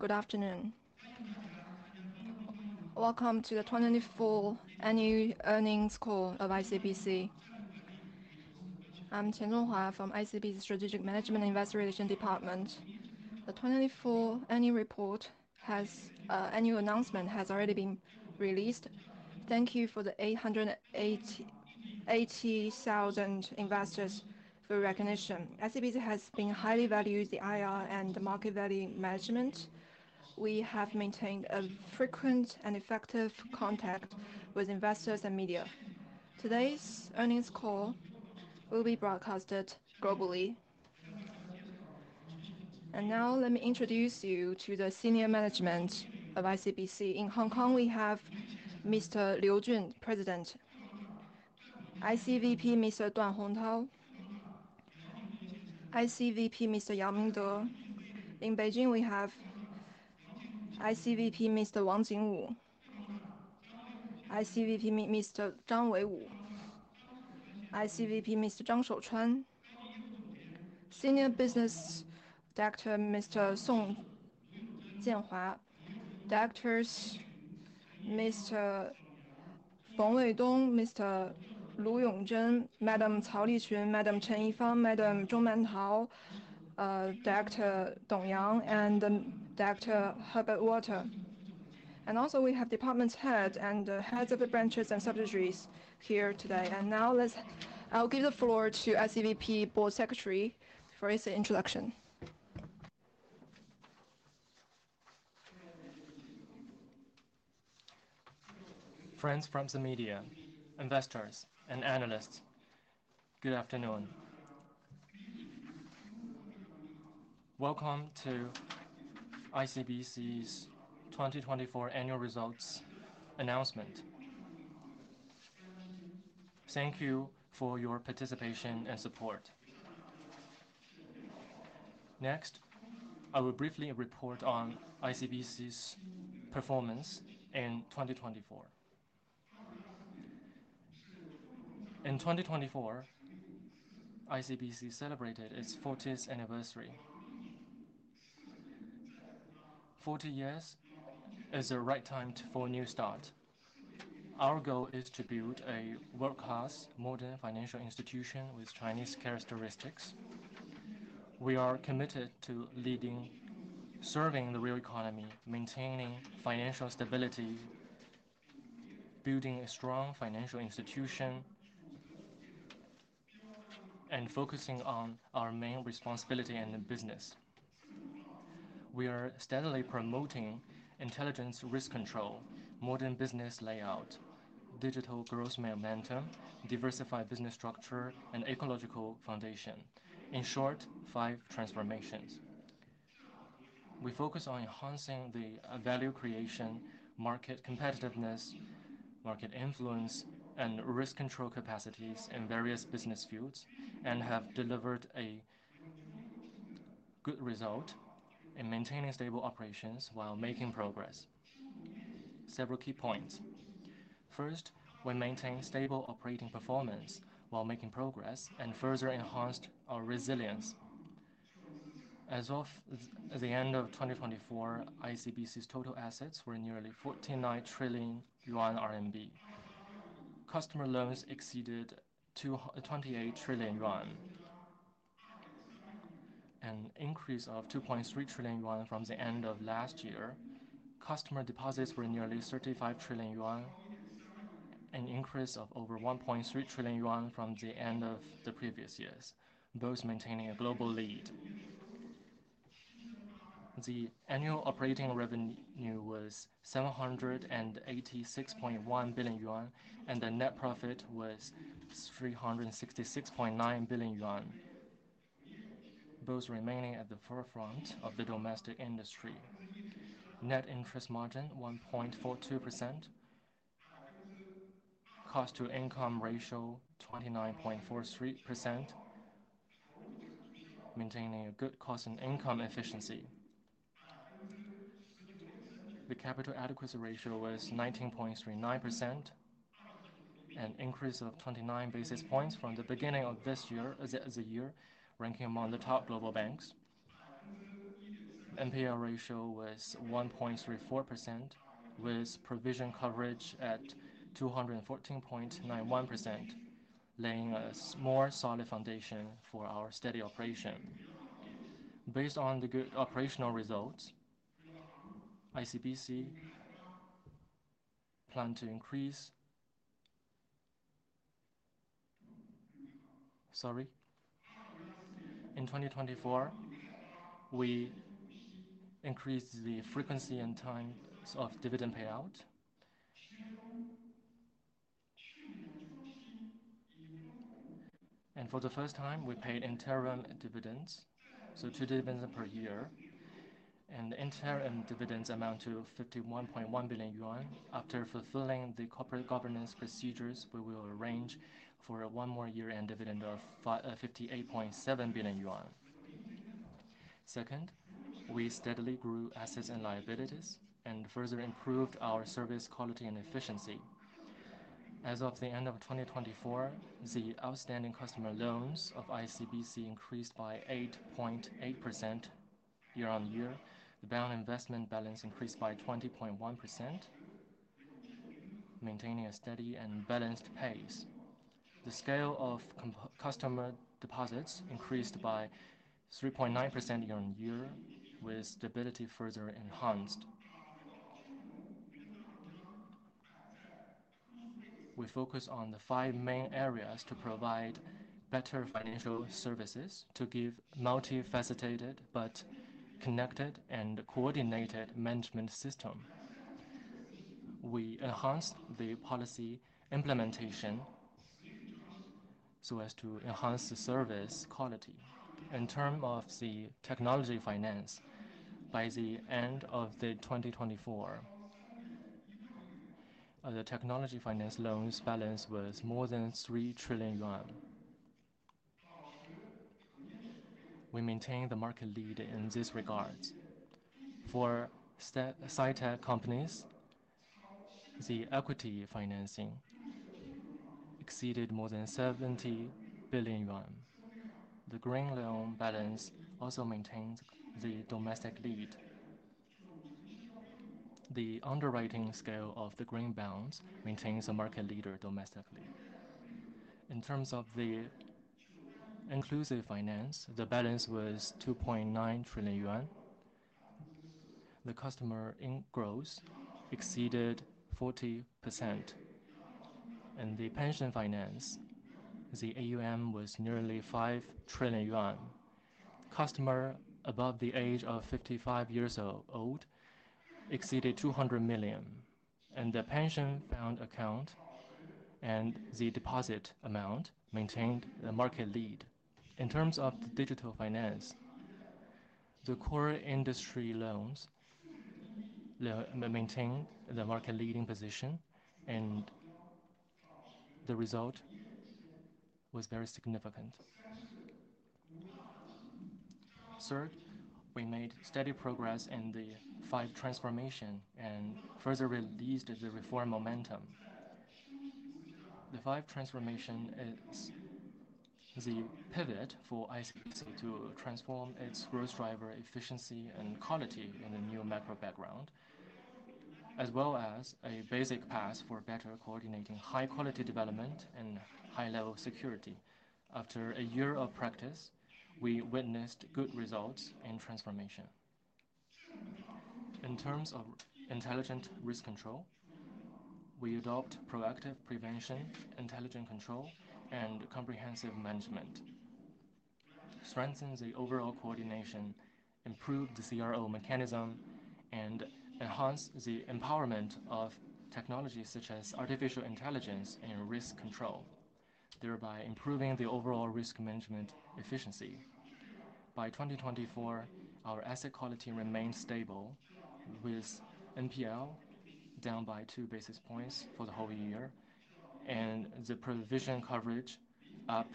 Good afternoon. Welcome to the 2024 annual earnings call of ICBC. I'm Chen Hua from ICBC's Strategic Management and Investor Relations department. The 2024 annual report has, annual announcement has already been released. Thank you for the 880,000 investors for recognition. ICBC has been highly valued the IR and the market value management. We have maintained a frequent and effective contact with investors and media. Today's earnings call will be broadcasted globally. Now, let me introduce you to the senior management of ICBC. In Hong Kong, we have Mr. Liu Jun, President; SEVP, Mr. Duan Hongtao; SEVP, Mr. Yang Dong. In Beijing, we have SEVP, Mr. Wang Jingwu; SEVP, Mr. Zhang Weiwu; SEVP, Mr. Zhang Shouchuan; Senior Business Director, Mr. Song Jianhua; Directors, Mr. Feng Weidong, Mr. Lu Yongzhen, Madam Cao Liqun, Madam Chen Yifang, Madam Zhong Mantao, Director Dong Yang, and Director Herbert Walter. We have department heads and heads of the branches and subsidiaries here today. Now, I will give the floor to SEVP Board Secretary for his introduction. Friends from the media, investors, and analysts, good afternoon. Welcome to ICBC's 2024 annual results announcement. Thank you for your participation and support. Next, I will briefly report on ICBC's performance in 2024. In 2024, ICBC celebrated its 40th anniversary. Forty years is the right time for a new start. Our goal is to build a world-class, modern financial institution with Chinese characteristics. We are committed to leading, serving the real economy, maintaining financial stability, building a strong financial institution, and focusing on our main responsibility in the business. We are steadily promoting intelligence risk control, modern business layout, digital growth momentum, diversified business structure, and ecological foundation. In short, five transformations. We focus on enhancing the value creation, market competitiveness, market influence, and risk control capacities in various business fields and have delivered a good result in maintaining stable operations while making progress. Several key points. First, we maintained stable operating performance while making progress and further enhanced our resilience. As of the end of 2024, ICBC's total assets were nearly 49 trillion yuan. Customer loans exceeded 28 trillion yuan, an increase of 2.3 trillion yuan from the end of last year. Customer deposits were nearly 35 trillion yuan, an increase of over 1.3 trillion yuan from the end of the previous years, both maintaining a global lead. The annual operating revenue was 786.1 billion yuan, and the net profit was 366.9 billion yuan, both remaining at the forefront of the domestic industry. Net interest margin 1.42%, cost-to-income ratio 29.43%, maintaining a good cost-to-income efficiency. The capital adequacy ratio was 19.39%, an increase of 29 basis points from the beginning of this year as a year, ranking among the top global banks. NPL ratio was 1.34%, with provision coverage at 214.91%, laying a more solid foundation for our steady operation. Based on the good operational results, ICBC plan to increase—sorry. In 2024, we increased the frequency and times of dividend payout. For the first time, we paid interim dividends, so two dividends per year. The interim dividends amount to 51.1 billion yuan. After fulfilling the corporate governance procedures, we will arrange for one more year-end dividend of 58.7 billion yuan. Second, we steadily grew assets and liabilities and further improved our service quality and efficiency. As of the end of 2024, the outstanding customer loans of ICBC increased by 8.8% year-on-year. The bound investment balance increased by 20.1%, maintaining a steady and balanced pace. The scale of customer deposits increased by 3.9% year-on-year, with stability further enhanced. We focus on the five main areas to provide better financial services to give multifaceted but connected and coordinated management systems. We enhanced the policy implementation so as to enhance the service quality. In terms of the technology finance, by the end of 2024, the technology finance loans balance was more than 3 trillion yuan. We maintain the market lead in these regards. For sci-tech companies, the equity financing exceeded more than 70 billion yuan. The green loan balance also maintains the domestic lead. The underwriting scale of the green bonds maintains a market leader domestically. In terms of the inclusive finance, the balance was 2.9 trillion yuan. The customer ingross exceeded 40%. In the pension finance, the AUM was nearly 5 trillion yuan. Customers above the age of 55 years old exceeded 200 million. The pension fund account and the deposit amount maintained a market lead. In terms of the digital finance, the core industry loans maintained the market leading position, and the result was very significant. Third, we made steady progress in the five transformations and further released the reform momentum. The five transformations is the pivot for ICBC to transform its growth driver efficiency and quality in the new macro background, as well as a basic path for better coordinating high-quality development and high-level security. After a year of practice, we witnessed good results in transformation. In terms of intelligent risk control, we adopt proactive prevention, intelligent control, and comprehensive management. Strengthen the overall coordination, improve the CRO mechanism, and enhance the empowerment of technologies such as artificial intelligence and risk control, thereby improving the overall risk management efficiency. By 2024, our asset quality remained stable, with NPL down by two basis points for the whole year and the provision coverage up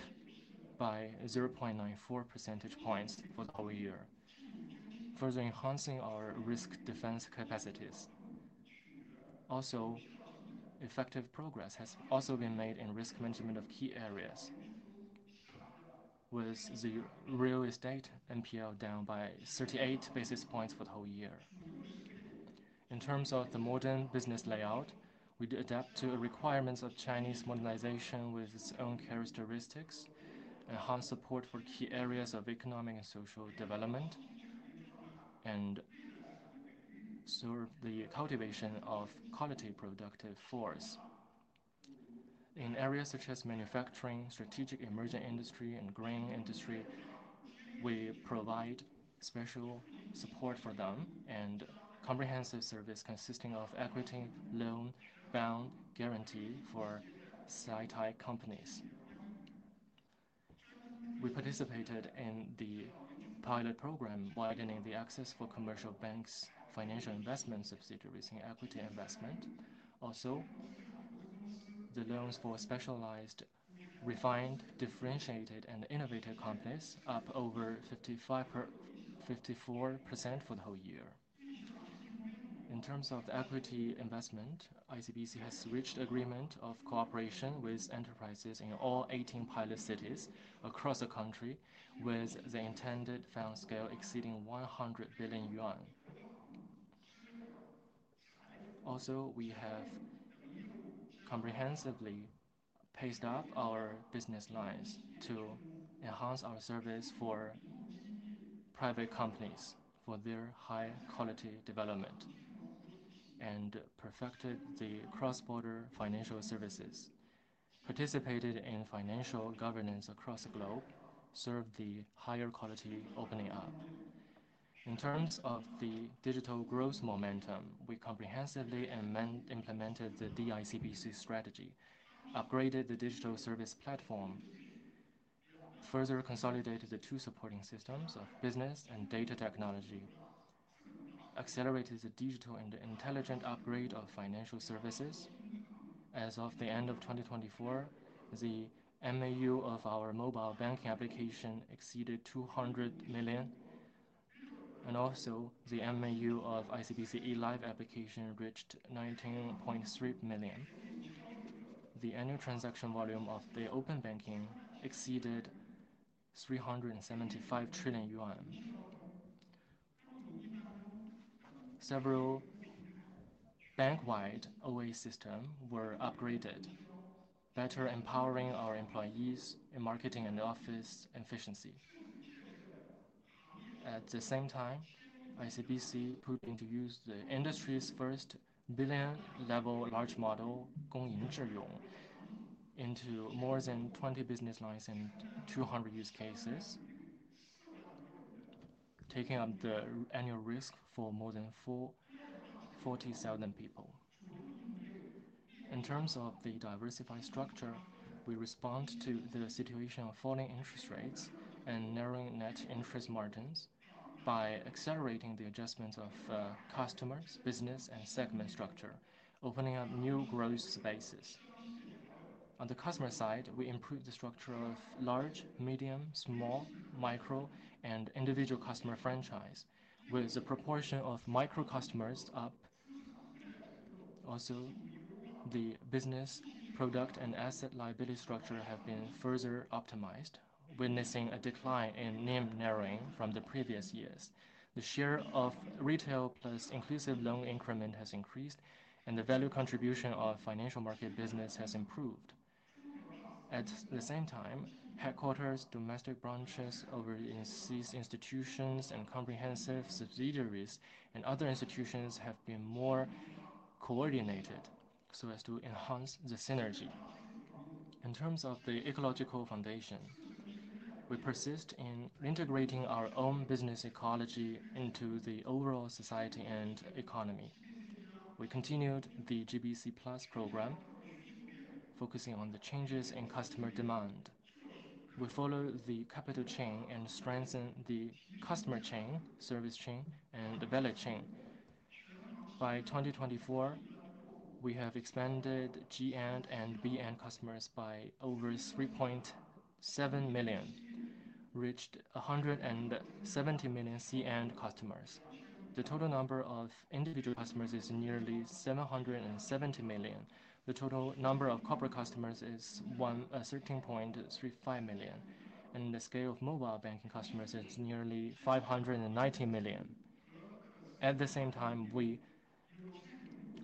by 0.94 percentage points for the whole year, further enhancing our risk defense capacities. Also, effective progress has also been made in risk management of key areas, with the real estate NPL down by 38 basis points for the whole year. In terms of the modern business layout, we adapt to the requirements of Chinese modernization with its own characteristics, enhance support for key areas of economic and social development, and serve the cultivation of quality productive force. In areas such as manufacturing, strategic emerging industry, and grain industry, we provide special support for them and comprehensive service consisting of equity, loan, bond, guarantee for SITEC companies. We participated in the pilot program widening the access for commercial banks, financial investment subsidiaries, and equity investment. Also, the loans for specialized, refined, differentiated, and innovative companies up over 55% or 54% for the whole year. In terms of equity investment, ICBC has reached agreement of cooperation with enterprises in all 18 pilot cities across the country, with the intended fund scale exceeding 100 billion yuan. Also, we have comprehensively paced up our business lines to enhance our service for private companies for their high-quality development and perfected the cross-border financial services, participated in financial governance across the globe, served the higher quality opening up. In terms of the digital growth momentum, we comprehensively implemented the DICBC strategy, upgraded the digital service platform, further consolidated the two supporting systems of business and data technology, accelerated the digital and intelligent upgrade of financial services. As of the end of 2024, the MAU of our mobile banking application exceeded 200 million. The MAU of ICBC eLive application reached 19.3 million. The annual transaction volume of the open banking exceeded CNY 375 trillion. Several bank-wide OA systems were upgraded, better empowering our employees in marketing and office efficiency. At the same time, ICBC put into use the industry's first billion-level large model, Gongying Zhiyong, into more than 20 business lines and 200 use cases, taking on the annual risk for more than 40,000 people. In terms of the diversified structure, we respond to the situation of falling interest rates and narrowing net interest margins by accelerating the adjustments of customers, business, and segment structure, opening up new growth spaces. On the customer side, we improved the structure of large, medium, small, micro, and individual customer franchise, with the proportion of micro customers up. Also, the business, product, and asset liability structure have been further optimized, witnessing a decline in NIM narrowing from the previous years. The share of retail plus inclusive loan increment has increased, and the value contribution of financial market business has improved. At the same time, headquarters, domestic branches over in these institutions and comprehensive subsidiaries and other institutions have been more coordinated so as to enhance the synergy. In terms of the ecological foundation, we persist in integrating our own business ecology into the overall society and economy. We continued the GBC Plus program, focusing on the changes in customer demand. We follow the capital chain and strengthen the customer chain, service chain, and value chain. By 2024, we have expanded GN and BN customers by over 3.7 million, reached 170 million CN customers. The total number of individual customers is nearly 770 million. The total number of corporate customers is 13.35 million. The scale of mobile banking customers is nearly 519 million. At the same time, we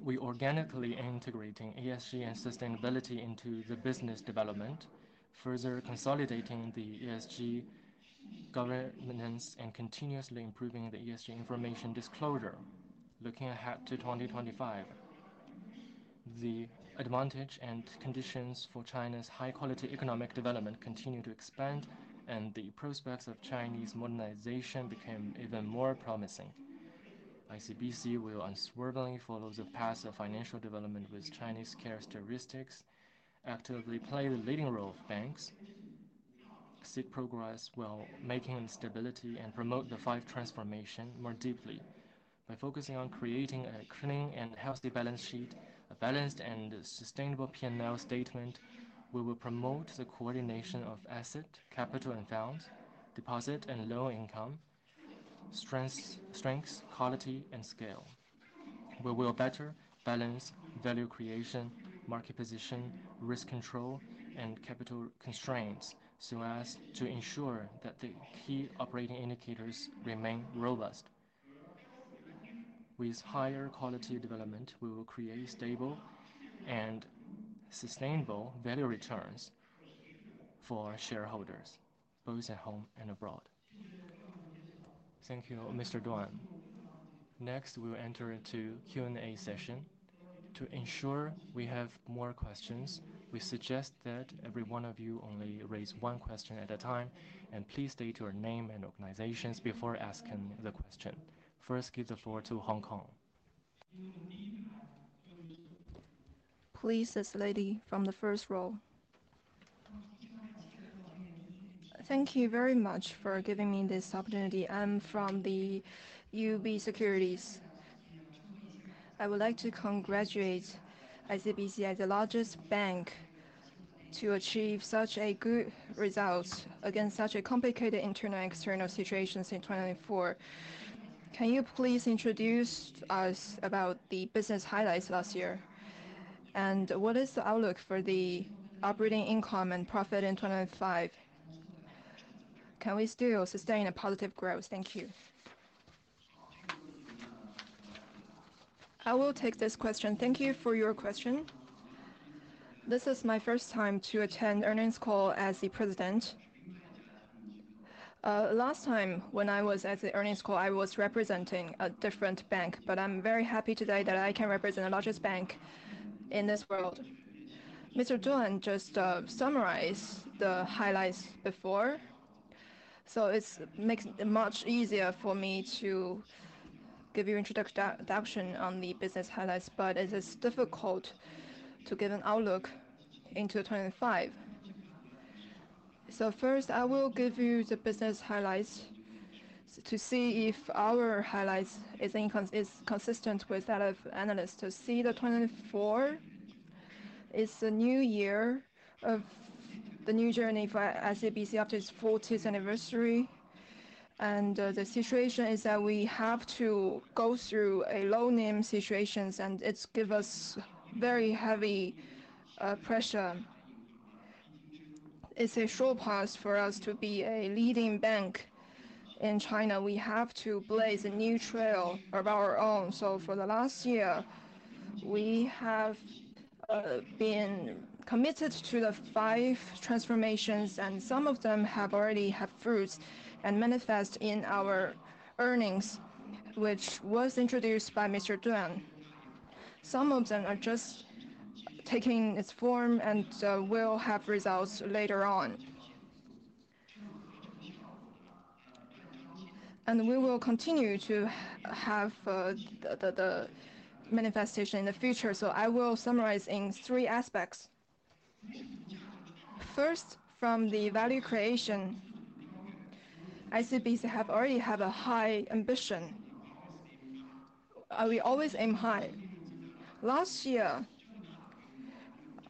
are organically integrating ESG and sustainability into the business development, further consolidating the ESG governance and continuously improving the ESG information disclosure. Looking ahead to 2025, the advantage and conditions for China's high-quality economic development continue to expand, and the prospects of Chinese modernization became even more promising. ICBC will unswervely follow the path of financial development with Chinese characteristics, actively play the leading role of banks, seek progress while making stability and promote the five transformations more deeply. By focusing on creating a clean and healthy balance sheet, a balanced and sustainable P&L statement, we will promote the coordination of asset, capital, and found deposit and low income strengths, quality, and scale. We will better balance value creation, market position, risk control, and capital constraints so as to ensure that the key operating indicators remain robust. With higher quality development, we will create stable and sustainable value returns for shareholders, both at home and abroad. Thank you, Mr. Duan. Next, we'll enter into Q&A session. To ensure we have more questions, we suggest that every one of you only raise one question at a time, and please state your name and organizations before asking the question. First, give the floor to Hong Kong. Please, this lady from the first row. Thank you very much for giving me this opportunity. I'm from UBS. I would like to congratulate ICBC as the largest bank to achieve such a good result against such a complicated internal and external situations in 2024. Can you please introduce us about the business highlights last year? What is the outlook for the operating income and profit in 2025? Can we still sustain a positive growth? Thank you. I will take this question. Thank you for your question. This is my first time to attend earnings call as the President. Last time, when I was at the earnings call, I was representing a different bank, but I'm very happy today that I can represent the largest bank in this world. Mr. Duan just summarized the highlights before. It makes it much easier for me to give you introduction on the business highlights, but it is difficult to give an outlook into 2025. First, I will give you the business highlights to see if our highlights are consistent with that of analysts. To see the 2024 is a new year of the new journey for ICBC after its 40th anniversary. The situation is that we have to go through a low NIM situation, and it gives us very heavy pressure. It is a short pass for us to be a leading bank in China. We have to blaze a new trail of our own. For the last year, we have been committed to the five transformations, and some of them have already had fruits and manifest in our earnings, which was introduced by Mr. Duan. Some of them are just taking its form and will have results later on. We will continue to have the manifestation in the future. I will summarize in three aspects. First, from the value creation, ICBC have already had a high ambition. We always aim high. Last year,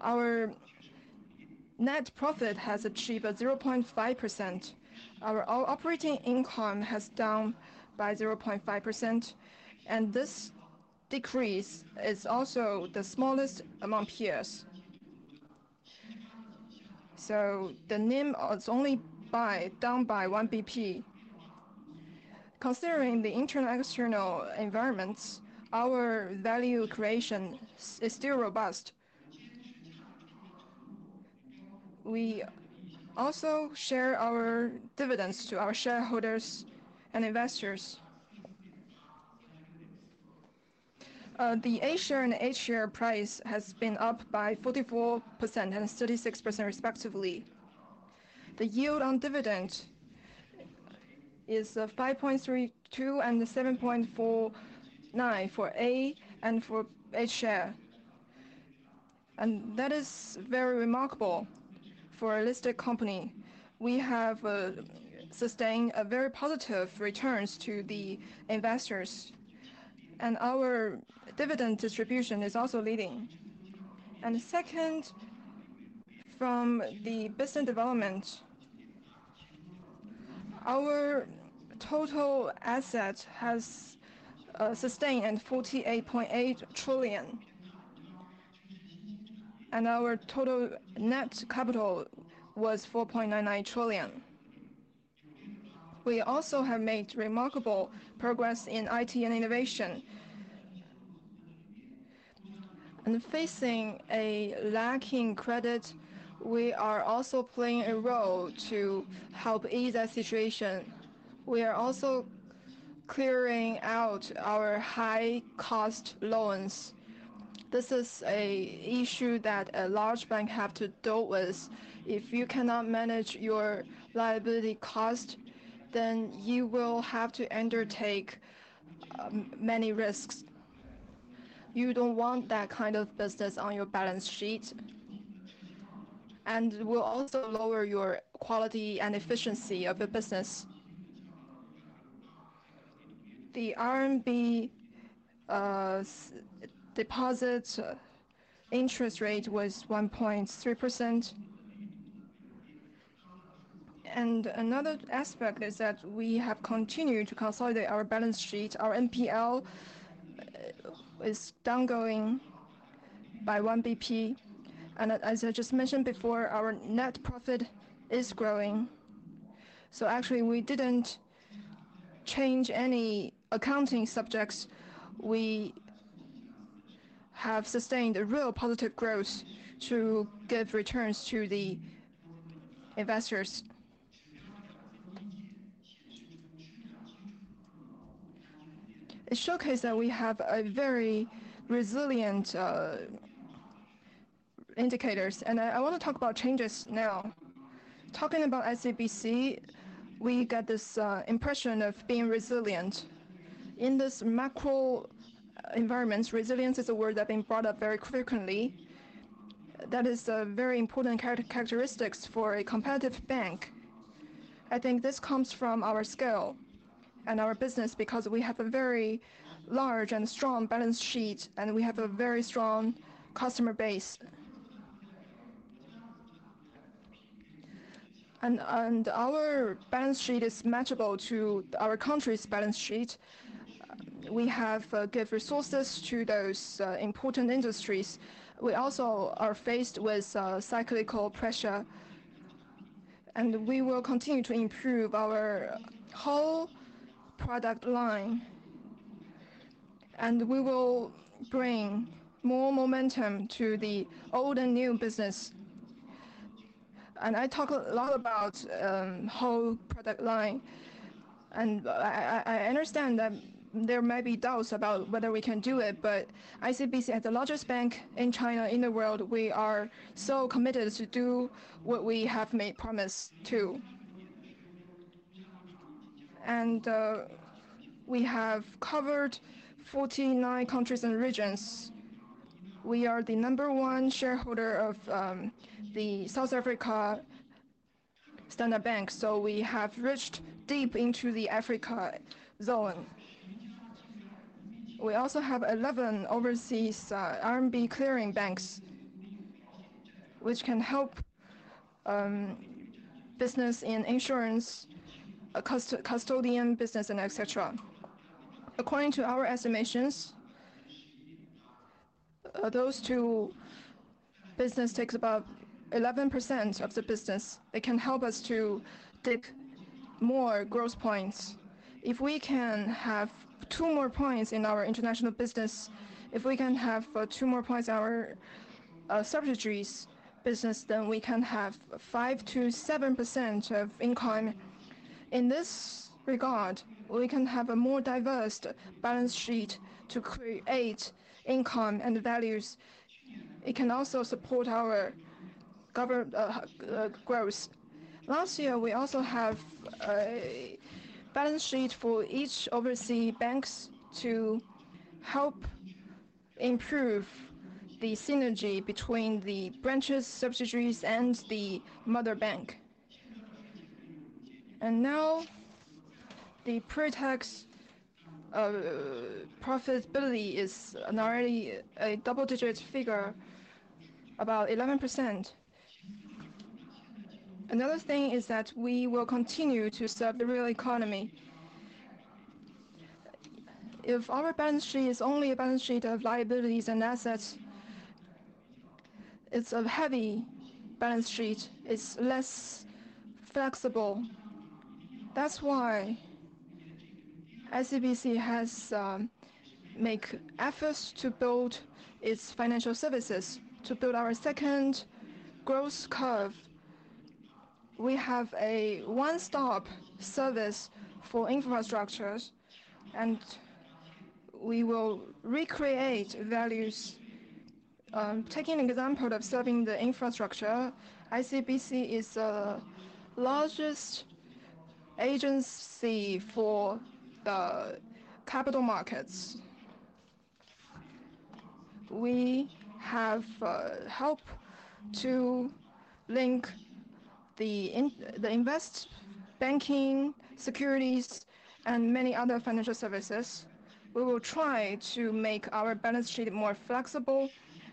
our net profit has achieved 0.5%. Our operating income has down by 0.5%. This decrease is also the smallest among peers. The NIM is only down by 1 basis point. Considering the internal and external environments, our value creation is still robust. We also share our dividends to our shareholders and investors. The A-share and H-share price has been up by 44% and 36%, respectively. The yield on dividend is 5.32% and 7.49% for A and for H-share. That is very remarkable for a listed company. We have sustained very positive returns to the investors. Our dividend distribution is also leading. Second, from the business development, our total asset has sustained CNY 48.8 trillion. Our total net capital was 4.99 trillion. We also have made remarkable progress in IT and innovation. Facing a lacking credit, we are also playing a role to help ease that situation. We are also clearing out our high-cost loans. This is an issue that a large bank has to deal with. If you cannot manage your liability cost, then you will have to undertake many risks. You do not want that kind of business on your balance sheet. It will also lower your quality and efficiency of your business. The RMB deposit interest rate was 1.3%. Another aspect is that we have continued to consolidate our balance sheet. Our NPL is downgoing by 1 basis point. As I just mentioned before, our net profit is growing. Actually, we did not change any accounting subjects. We have sustained a real positive growth to give returns to the investors. It showcases that we have very resilient indicators. I want to talk about changes now. Talking about ICBC, we got this impression of being resilient. In this macro environment, resilience is a word that has been brought up very frequently. That is a very important characteristic for a competitive bank. I think this comes from our scale and our business because we have a very large and strong balance sheet, and we have a very strong customer base. Our balance sheet is matchable to our country's balance sheet. We have good resources to those important industries. We also are faced with cyclical pressure. We will continue to improve our whole product line. We will bring more momentum to the old and new business. I talk a lot about the whole product line. I understand that there may be doubts about whether we can do it, but ICBC is the largest bank in China in the world. We are so committed to do what we have made promises to. We have covered 49 countries and regions. We are the number one shareholder of the South Africa Standard Bank, so we have reached deep into the Africa zone. We also have 11 overseas RMB clearing banks, which can help business in insurance, custodian business, and etc. According to our estimations, those two businesses take about 11% of the business. They can help us to take more growth points. If we can have two more points in our international business, if we can have two more points in our subsidies business, then we can have 5-7% of income. In this regard, we can have a more diverse balance sheet to create income and values. It can also support our growth. Last year, we also had a balance sheet for each overseas bank to help improve the synergy between the branches, subsidiaries, and the mother bank. Now, the pre-tax profitability is already a double-digit figure, about 11%. Another thing is that we will continue to serve the real economy. If our balance sheet is only a balance sheet of liabilities and assets, it is a heavy balance sheet. It is less flexible. That is why ICBC has made efforts to build its financial services to build our second growth curve. We have a one-stop service for infrastructures, and we will recreate values. Taking an example of serving the infrastructure, ICBC is the largest agency for the capital markets. We have helped to link the invest banking, securities, and many other financial services. We will try to make our balance sheet more flexible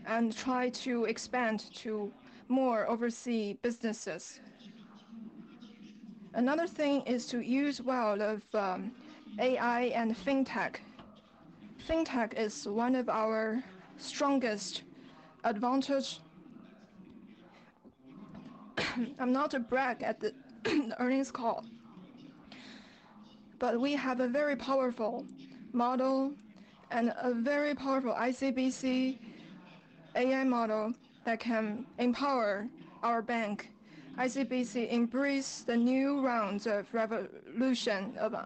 and try to expand to more overseas businesses. Another thing is to use well of AI and fintech. Fintech is one of our strongest advantages. I'm not a brag at the earnings call, but we have a very powerful model and a very powerful ICBC AI model that can empower our bank. ICBC embraces the new round of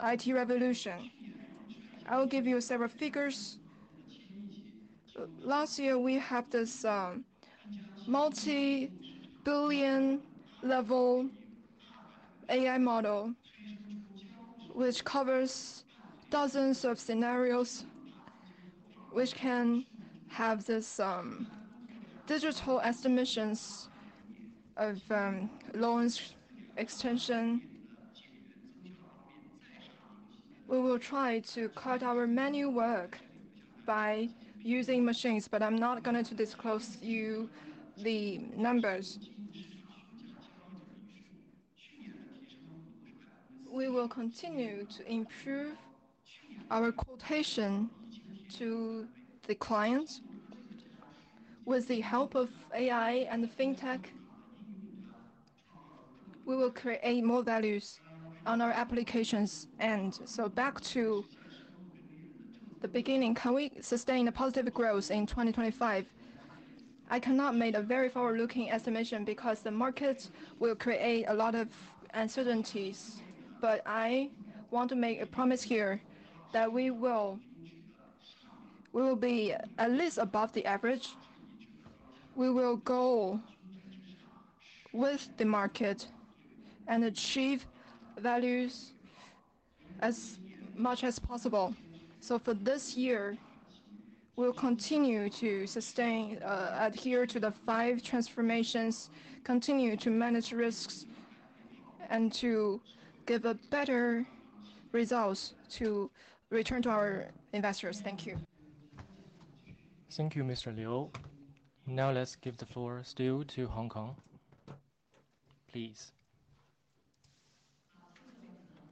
IT revolution. I'll give you several figures. Last year, we had this multi-billion-level AI model, which covers dozens of scenarios, which can have this digital estimation of loans extension. We will try to cut our manual work by using machines, but I'm not going to disclose to you the numbers. We will continue to improve our quotation to the clients with the help of AI and fintech. We will create more values on our applications. Back to the beginning, can we sustain a positive growth in 2025? I cannot make a very forward-looking estimation because the market will create a lot of uncertainties. I want to make a promise here that we will be at least above the average. We will go with the market and achieve values as much as possible. For this year, we'll continue to adhere to the five transformations, continue to manage risks, and to give better results to return to our investors. Thank you. Thank you, Mr. Liu. Now, let's give the floor still to Hong Kong, please.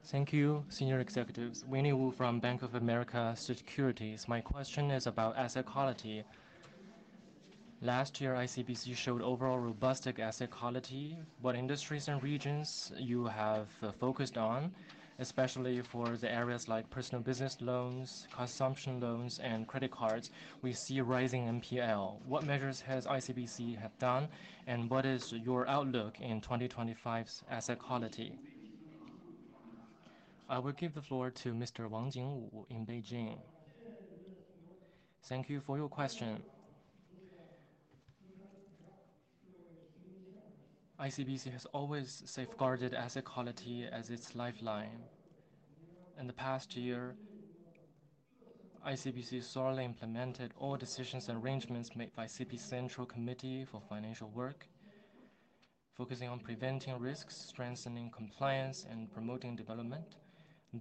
Thank you, Senior Executives. Winnie Wu from Bank of America Securities. My question is about asset quality. Last year, ICBC showed overall robust asset quality. What industries and regions have you focused on, especially for the areas like personal business loans, consumption loans, and credit cards? We see rising NPL. What measures has ICBC done, and what is your outlook in 2025's asset quality? I will give the floor to Mr. Wang Jingwu in Beijing. Thank you for your question. ICBC has always safeguarded asset quality as its lifeline. In the past year, ICBC solidly implemented all decisions and arrangements made by the CP Central Committee for Financial Work, focusing on preventing risks, strengthening compliance, and promoting development.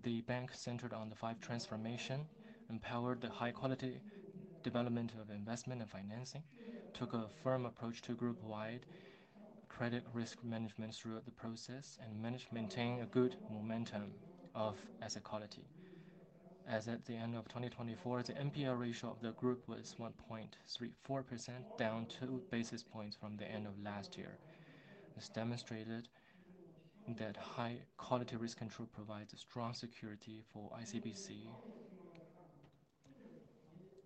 The bank centered on the five transformations, empowered the high-quality development of investment and financing, took a firm approach to group-wide credit risk management throughout the process, and maintained a good momentum of asset quality. As at the end of 2024, the NPL ratio of the group was 1.34%, down two basis points from the end of last year. This demonstrated that high-quality risk control provides strong security for ICBC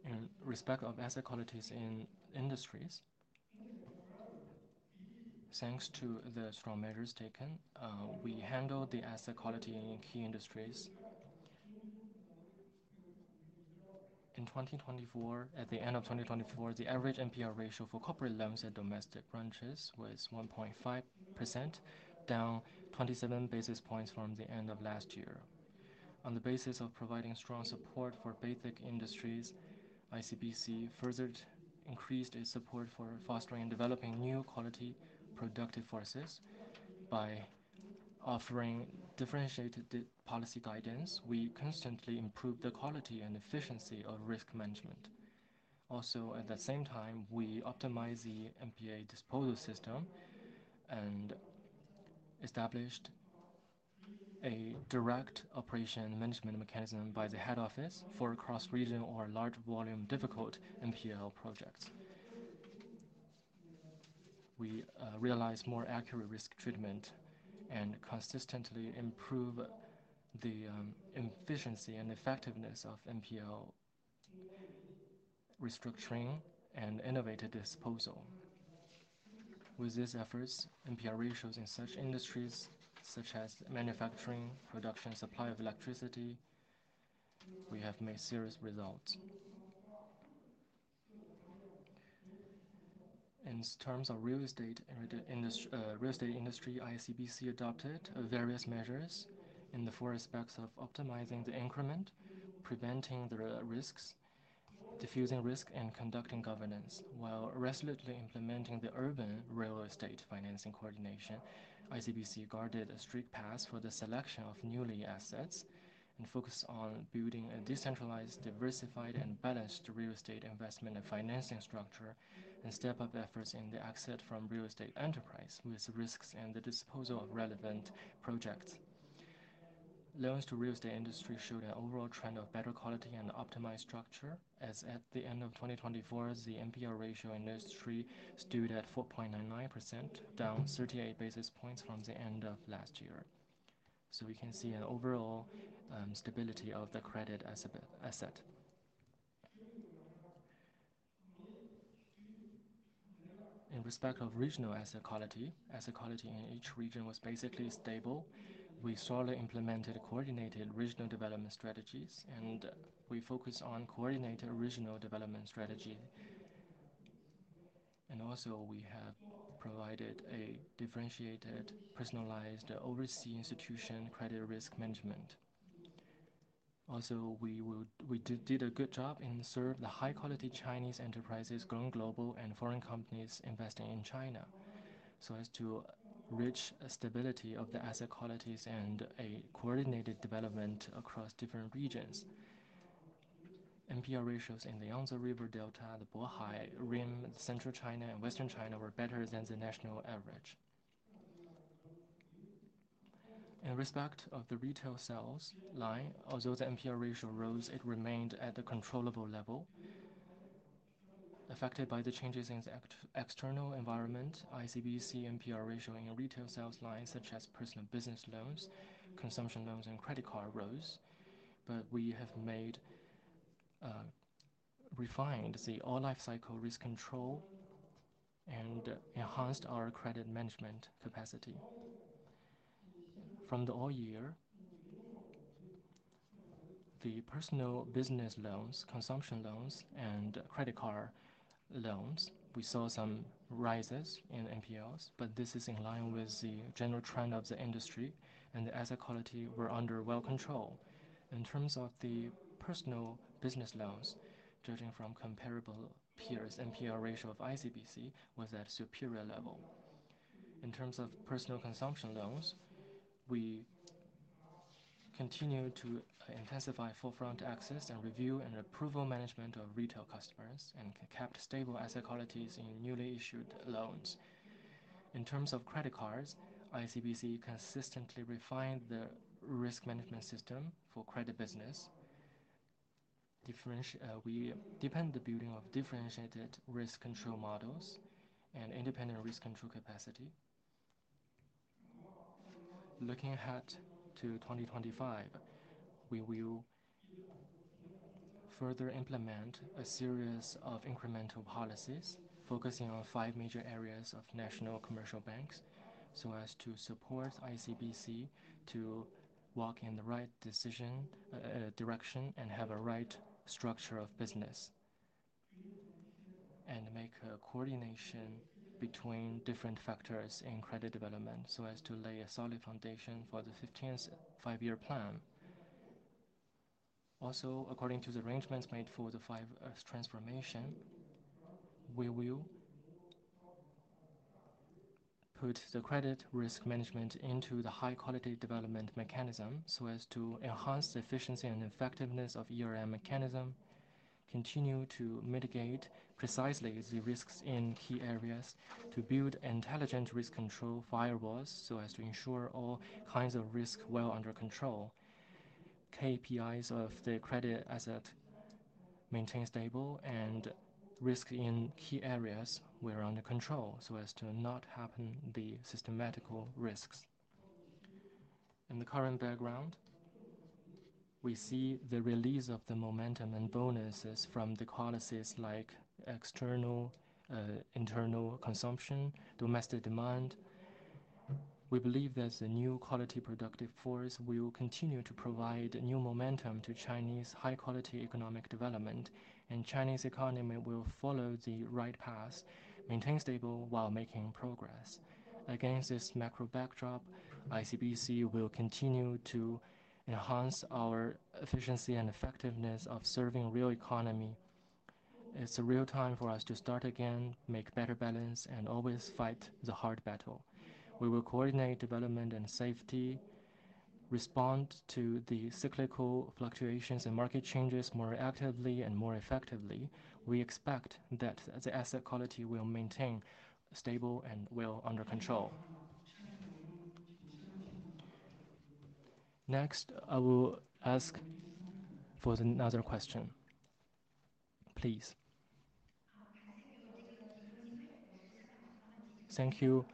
in respect of asset qualities in industries. Thanks to the strong measures taken, we handled the asset quality in key industries. In 2024, at the end of 2024, the average NPL ratio for corporate loans at domestic branches was 1.5%, down 27 basis points from the end of last year. On the basis of providing strong support for basic industries, ICBC further increased its support for fostering and developing new quality productive forces by offering differentiated policy guidance. We constantly improved the quality and efficiency of risk management. Also, at the same time, we optimized the NPL disposal system and established a direct operation management mechanism by the head office for cross-regional or large-volume difficult NPL projects. We realized more accurate risk treatment and consistently improved the efficiency and effectiveness of NPL restructuring and innovative disposal. With these efforts, NPL ratios in such industries such as manufacturing, production, and supply of electricity, we have made serious results. In terms of real estate industry, ICBC adopted various measures in the four aspects of optimizing the increment, preventing the risks, diffusing risk, and conducting governance. While resolutely implementing the urban real estate financing coordination, ICBC guarded a strict path for the selection of new assets and focused on building a decentralized, diversified, and balanced real estate investment and financing structure and step-up efforts in the exit from real estate enterprise with risks and the disposal of relevant projects. Loans to real estate industry showed an overall trend of better quality and optimized structure. As at the end of 2024, the NPL ratio in those three stood at 4.99%, down 38 basis points from the end of last year. We can see an overall stability of the credit asset. In respect of regional asset quality, asset quality in each region was basically stable. We solidly implemented coordinated regional development strategies, and we focused on coordinated regional development strategies. Also, we have provided a differentiated, personalized overseas institution credit risk management. Also, we did a good job in serving the high-quality Chinese enterprises going global and foreign companies investing in China so as to reach a stability of the asset qualities and a coordinated development across different regions. NPL ratios in the Yangtze River Delta, the Bohai Rim, Central China, and Western China were better than the national average. In respect of the retail sales line, although the NPL ratio rose, it remained at a controllable level. Affected by the changes in the external environment, ICBC NPL ratio in retail sales lines such as personal business loans, consumption loans, and credit card rose. We have refined the all-life cycle risk control and enhanced our credit management capacity. From the all year, the personal business loans, consumption loans, and credit card loans, we saw some rises in NPLs, but this is in line with the general trend of the industry, and the asset quality were under well control. In terms of the personal business loans, judging from comparable peers, NPL ratio of ICBC was at a superior level. In terms of personal consumption loans, we continued to intensify forefront access and review and approval management of retail customers and kept stable asset qualities in newly issued loans. In terms of credit cards, ICBC consistently refined the risk management system for credit business. We depend on the building of differentiated risk control models and independent risk control capacity. Looking ahead to 2025, we will further implement a series of incremental policies focusing on five major areas of national commercial banks so as to support ICBC to walk in the right direction and have a right structure of business and make a coordination between different factors in credit development so as to lay a solid foundation for the 15th five-year plan. Also, according to the arrangements made for the five transformations, we will put the credit risk management into the high-quality development mechanism so as to enhance the efficiency and effectiveness of mechanism, continue to mitigate precisely the risks in key areas, to build intelligent risk control firewalls so as to ensure all kinds of risk well under control, KPIs of the credit asset maintain stable, and risks in key areas were under control so as to not happen the systematical risks. In the current background, we see the release of the momentum and bonuses from the policies like external, internal consumption, domestic demand. We believe that the new quality productive force will continue to provide new momentum to Chinese high-quality economic development, and Chinese economy will follow the right path, maintain stable while making progress. Against this macro backdrop, ICBC will continue to enhance our efficiency and effectiveness of serving real economy. It's a real time for us to start again, make better balance, and always fight the hard battle. We will coordinate development and safety, respond to the cyclical fluctuations and market changes more actively and more effectively. We expect that the asset quality will maintain stable and well under control. Next, I will ask for another question, please. Thank you.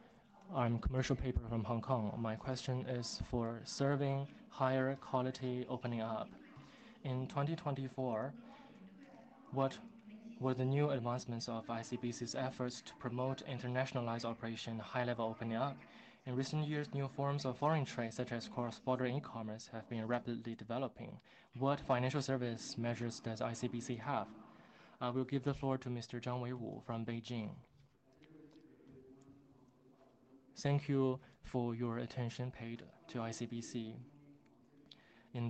I'm a commercial paper from Hong Kong. My question is for serving higher quality opening up. In 2024, what were the new advancements of ICBC's efforts to promote internationalized operation, high-level opening up? In recent years, new forms of foreign trade such as cross-border e-commerce have been rapidly developing. What financial service measures does ICBC have? I will give the floor to Mr. Zhang Weiwu from Beijing. Thank you for your attention paid to ICBC. In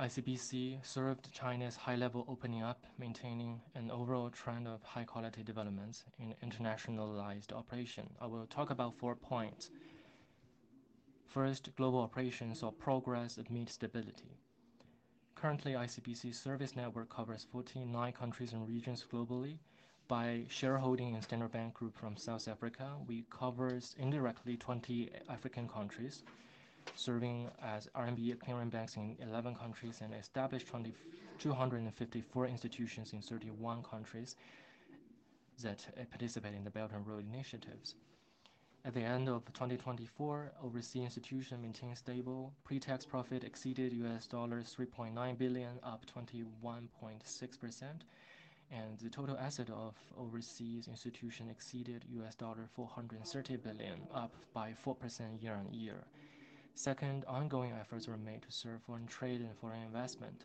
2024, ICBC served China's high-level opening up, maintaining an overall trend of high-quality developments in internationalized operation. I will talk about four points. First, global operations or progress that meet stability. Currently, ICBC's service network covers 149 countries and regions globally. By shareholding in Standard Bank Group from South Africa, we covered indirectly 20 African countries, serving as RMB acquiring banks in 11 countries and established 254 institutions in 31 countries that participate in the Belt and Road Initiatives. At the end of 2024, overseas institutions maintained stable. Pre-tax profit exceeded $3.9 billion, up 21.6%. The total asset of overseas institutions exceeded $430 billion, up by 4% year on year. Ongoing efforts were made to serve foreign trade and foreign investment.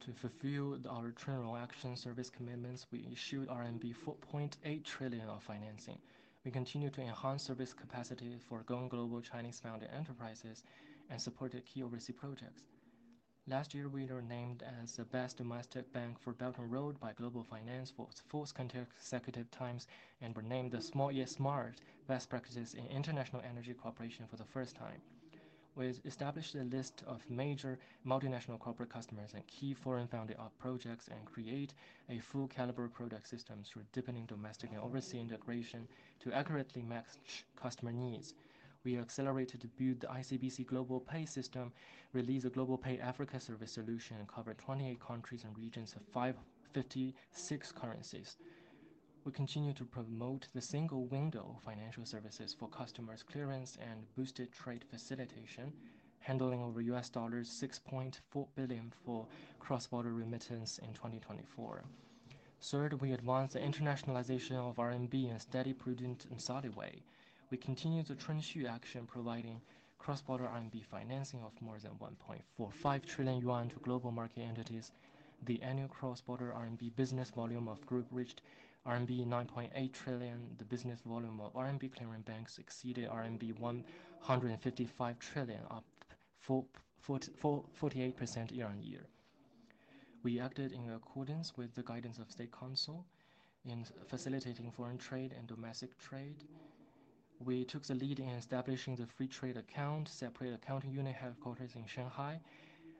To fulfill our turnaround action service commitments, we issued RMB 4.8 trillion of financing. We continue to enhance service capacity for going global Chinese founded enterprises and supported key overseas projects. Last year, we were named as the best domestic bank for Belt and Road by Global Finance for its fourth consecutive times and were named the Smart Yet Smart Best Practices in International Energy Cooperation for the first time. We established a list of major multinational corporate customers and key foreign-founded projects and created a full-caliber product system through deepening domestic and overseas integration to accurately match customer needs. We accelerated to build the ICBC Global Pay system, released the Global Pay Africa service solution, and covered 28 countries and regions of 556 currencies. We continue to promote the single-window financial services for customers' clearance and boosted trade facilitation, handling over $6.4 billion for cross-border remittance in 2024. Third, we advanced the internationalization of RMB in a steady, prudent, and solid way. We continue to trend shoe action, providing cross-border RMB financing of more than 1.45 trillion yuan to global market entities. The annual cross-border RMB business volume of group reached RMB 9.8 trillion. The business volume of RMB clearing banks exceeded RMB 155 trillion, up 48% year-on-year. We acted in accordance with the guidance of State Council in facilitating foreign trade and domestic trade. We took the lead in establishing the free trade account, separate accounting unit headquarters in Shanghai,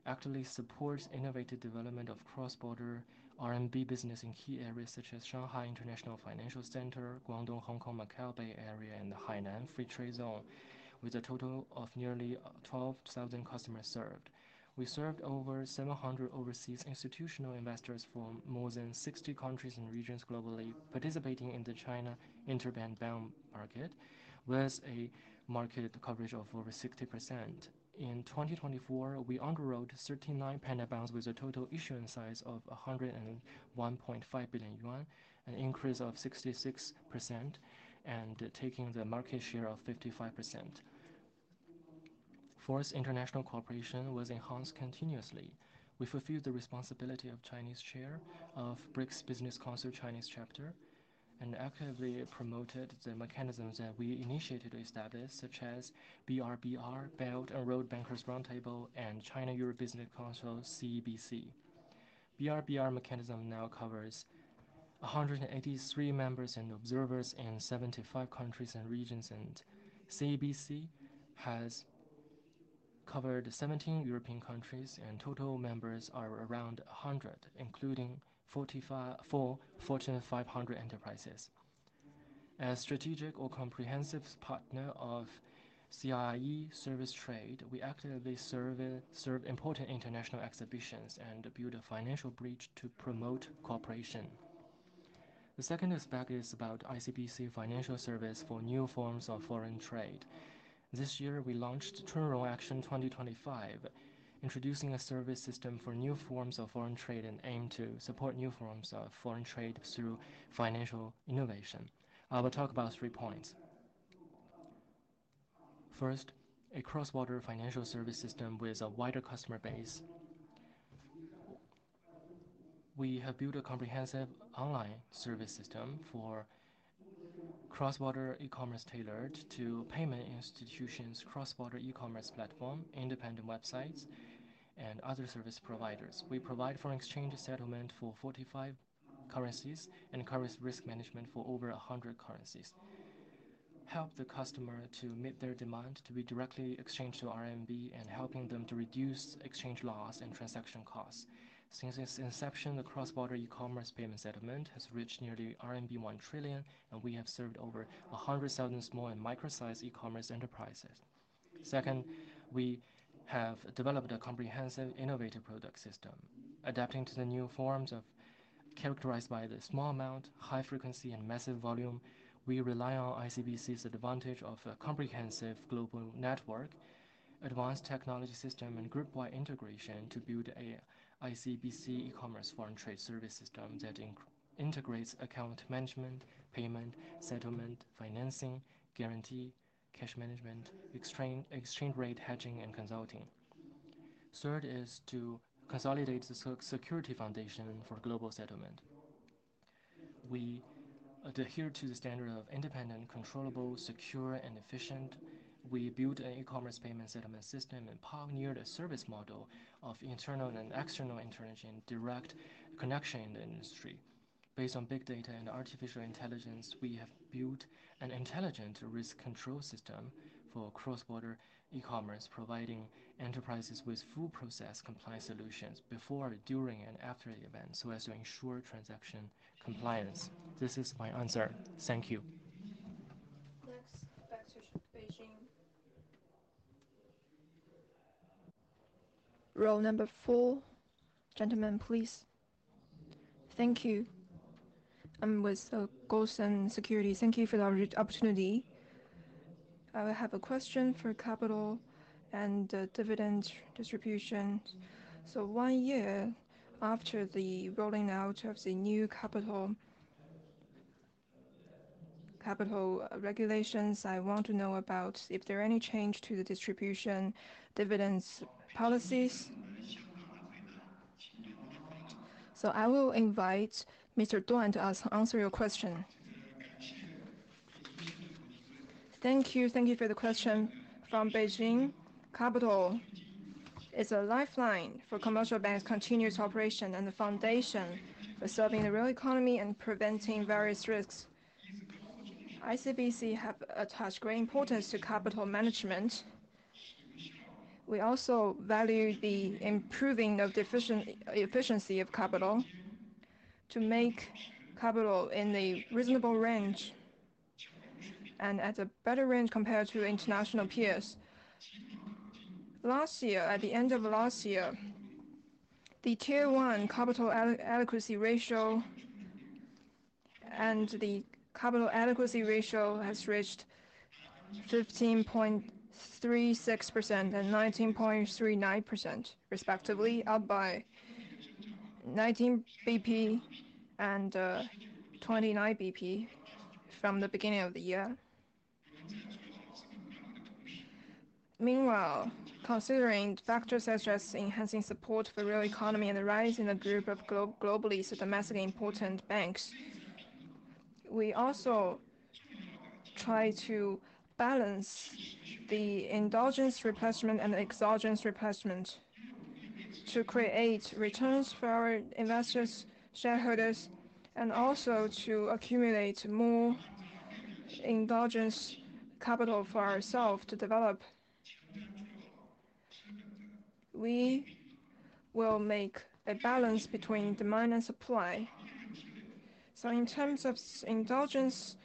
actively supports innovative development of cross-border RMB business in key areas such as Shanghai International Financial Center, Guangdong-Hong Kong-Macao Greater Bay Area, and the Hainan Free Trade Port, with a total of nearly 12,000 customers served. We served over 700 overseas institutional investors from more than 60 countries and regions globally participating in the China interbank bond market, with a market coverage of over 60%. In 2024, we underwrote 39 Panda bonds with a total issuance size of 101.5 billion yuan, an increase of 66%, and taking the market share of 55%. Force international cooperation was enhanced continuously. We fulfilled the responsibility of Chinese chair of BRICS Business Council Chinese chapter and actively promoted the mechanisms that we initiated to establish, such as BRBR, Belt and Road Bankers Roundtable, and China-Europe Business Council CBC. BRBR mechanism now covers 183 members and observers in 75 countries and regions, and CBC has covered 17 European countries, and total members are around 100, including 4,500 enterprises. As strategic or comprehensive partner of CIE service trade, we actively serve important international exhibitions and build a financial bridge to promote cooperation. The second aspect is about ICBC financial service for new forms of foreign trade. This year, we launched Turnaround Action 2025, introducing a service system for new forms of foreign trade and aim to support new forms of foreign trade through financial innovation. I will talk about three points. First, a cross-border financial service system with a wider customer base. We have built a comprehensive online service system for cross-border e-commerce tailored to payment institutions, cross-border e-commerce platforms, independent websites, and other service providers. We provide foreign exchange settlement for 45 currencies and coverage risk management for over 100 currencies. Help the customer to meet their demand to be directly exchanged to RMB and helping them to reduce exchange loss and transaction costs. Since its inception, the cross-border e-commerce payment settlement has reached nearly RMB 1 trillion, and we have served over 100,000 small and micro-sized e-commerce enterprises. Second, we have developed a comprehensive innovative product system. Adapting to the new forms of characterized by the small amount, high frequency, and massive volume, we rely on ICBC's advantage of a comprehensive global network, advanced technology system, and group-wide integration to build an ICBC e-commerce foreign trade service system that integrates account management, payment, settlement, financing, guarantee, cash management, exchange rate hedging, and consulting. Third is to consolidate the security foundation for global settlement. We adhere to the standard of independent, controllable, secure, and efficient. We built an e-commerce payment settlement system and pioneered a service model of internal and external intervention, direct connection in the industry. Based on big data and artificial intelligence, we have built an intelligent risk control system for cross-border e-commerce, providing enterprises with full process compliance solutions before, during, and after the event so as to ensure transaction compliance. This is my answer. Thank you. Next, back to Beijing. Row number four, gentlemen, please. Thank you. I'm with Goldman Securities. Thank you for the opportunity. I have a question for capital and dividend distribution. One year after the rolling out of the new capital regulations, I want to know about if there are any changes to the distribution dividends policies. I will invite Mr. Duan to answer your question. Thank you. Thank you for the question. From Beijing, capital is a lifeline for commercial banks' continuous operation and the foundation for serving the real economy and preventing various risks. ICBC has attached great importance to capital management. We also value the improving of efficiency of capital to make capital in a reasonable range and at a better range compared to international peers. Last year, at the end of last year, the tier one capital adequacy ratio and the capital adequacy ratio has reached 15.36% and 19.39%, respectively, up by 19 basis points and 29 basis points from the beginning of the year. Meanwhile, considering factors such as enhancing support for real economy and the rise in a group of globally domestically important banks, we also try to balance the indulgence replacement and exogenous replacement to create returns for our investors, shareholders, and also to accumulate more indulgence capital for ourselves to develop. We will make a balance between demand and supply. In terms of indulgence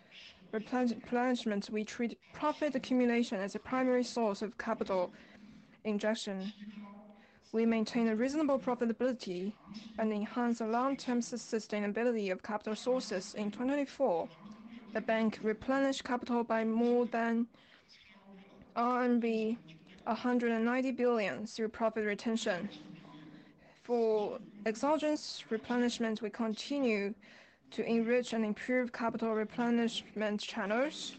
replacement, we treat profit accumulation as a primary source of capital injection. We maintain a reasonable profitability and enhance the long-term sustainability of capital sources. In 2024, the bank replenished capital by more than RMB 190 billion through profit retention. For exogenous replenishment, we continue to enrich and improve capital replenishment channels,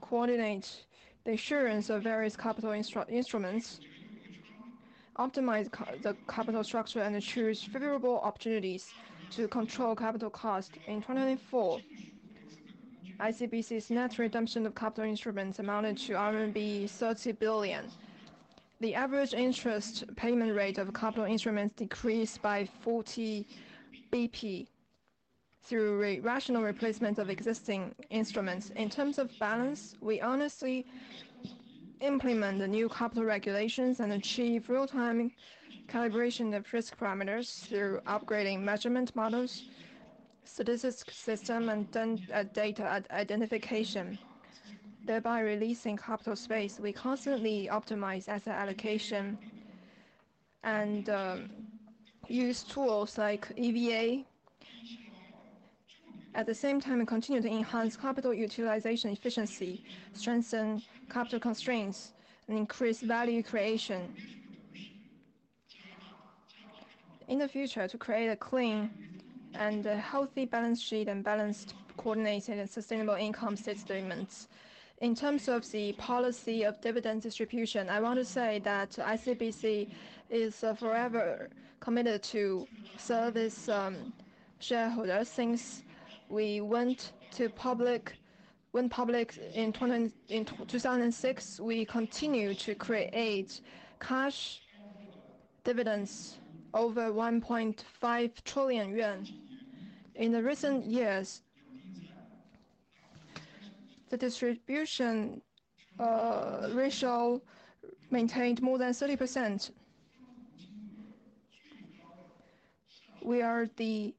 coordinate the assurance of various capital instruments, optimize the capital structure, and choose favorable opportunities to control capital cost. In 2024, ICBC's net redemption of capital instruments amounted to RMB 30 billion. The average interest payment rate of capital instruments decreased by 40 basis points through rational replacement of existing instruments. In terms of balance, we honestly implement the new capital regulations and achieve real-time calibration of risk parameters through upgrading measurement models, statistical system, and data identification, thereby releasing capital space. We constantly optimize asset allocation and use tools like EVA. At the same time, we continue to enhance capital utilization efficiency, strengthen capital constraints, and increase value creation in the future to create a clean and healthy balance sheet and balanced, coordinated, and sustainable income statements. In terms of the policy of dividend distribution, I want to say that ICBC is forever committed to service shareholders. Since we went public in 2006, we continue to create cash dividends over 1.5 trillion yuan. In the recent years, the distribution ratio maintained more than 30%. We are the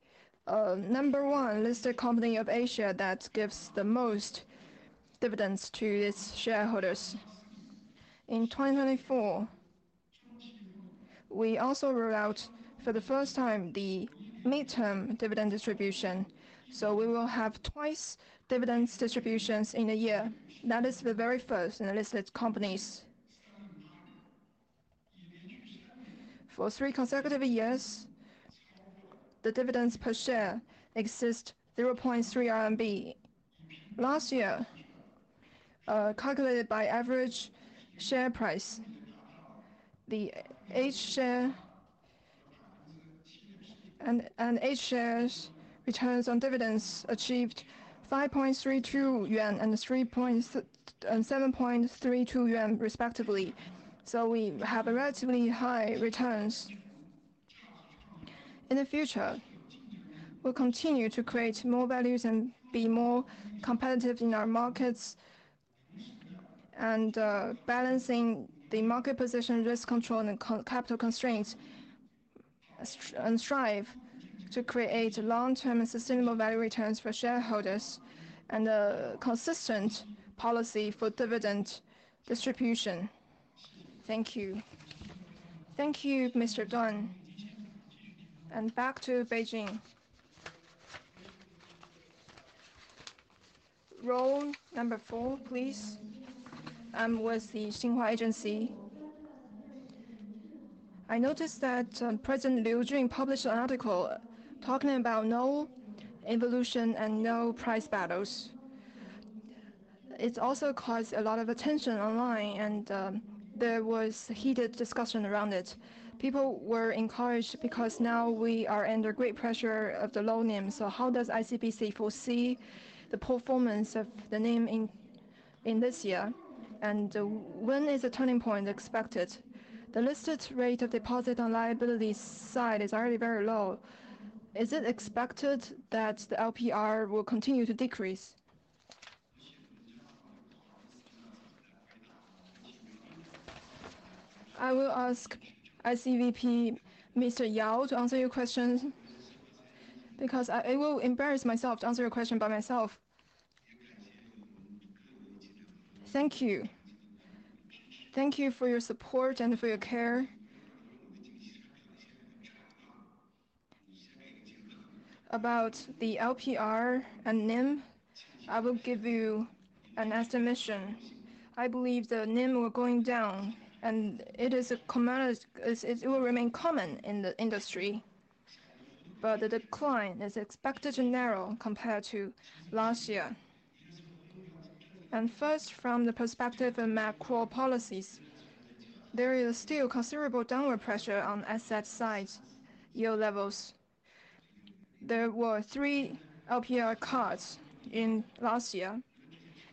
number one listed company of Asia that gives the most dividends to its shareholders. In 2024, we also rolled out for the first time the midterm dividend distribution. We will have twice dividends distributions in a year. That is the very first in the listed companies. For three consecutive years, the dividends per share exceed 0.3 RMB. Last year, calculated by average share price, the H share and H shares returns on dividends achieved 5.32 yuan and 7.32 yuan, respectively. We have relatively high returns. In the future, we'll continue to create more values and be more competitive in our markets and balancing the market position, risk control, and capital constraints and strive to create long-term and sustainable value returns for shareholders and a consistent policy for dividend distribution. Thank you. Thank you, Mr. Duan. Back to Beijing. Row number four, please. I'm with the Xinhua News Agency. I noticed that President Liu Jun published an article talking about no evolution and no price battles. It also caused a lot of attention online, and there was heated discussion around it. People were encouraged because now we are under great pressure of the low NIM. How does ICBC foresee the performance of the NIM in this year? When is the turning point expected? The listed rate of deposit on liability side is already very low. Is it expected that the LPR will continue to decrease? I will ask SEVP Mr. Yao to answer your question because I will embarrass myself to answer your question by myself. Thank you. Thank you for your support and for your care. About the LPR and NIM, I will give you an estimation. I believe the NIM will go down, and it will remain common in the industry, but the decline is expected to narrow compared to last year. First, from the perspective of macro policies, there is still considerable downward pressure on asset side yield levels. There were three LPR cuts in last year,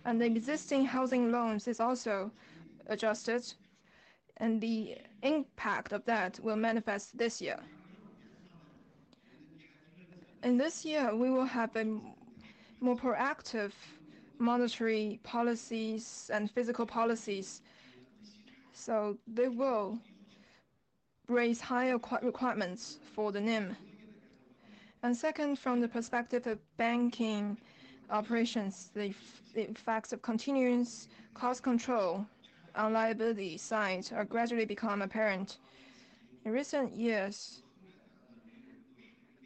and the existing housing loans is also adjusted, and the impact of that will manifest this year. In this year, we will have more proactive monetary policies and fiscal policies, so they will raise higher requirements for the NIM. Second, from the perspective of banking operations, the effects of continuous cost control on the liability side are gradually becoming apparent. In recent years,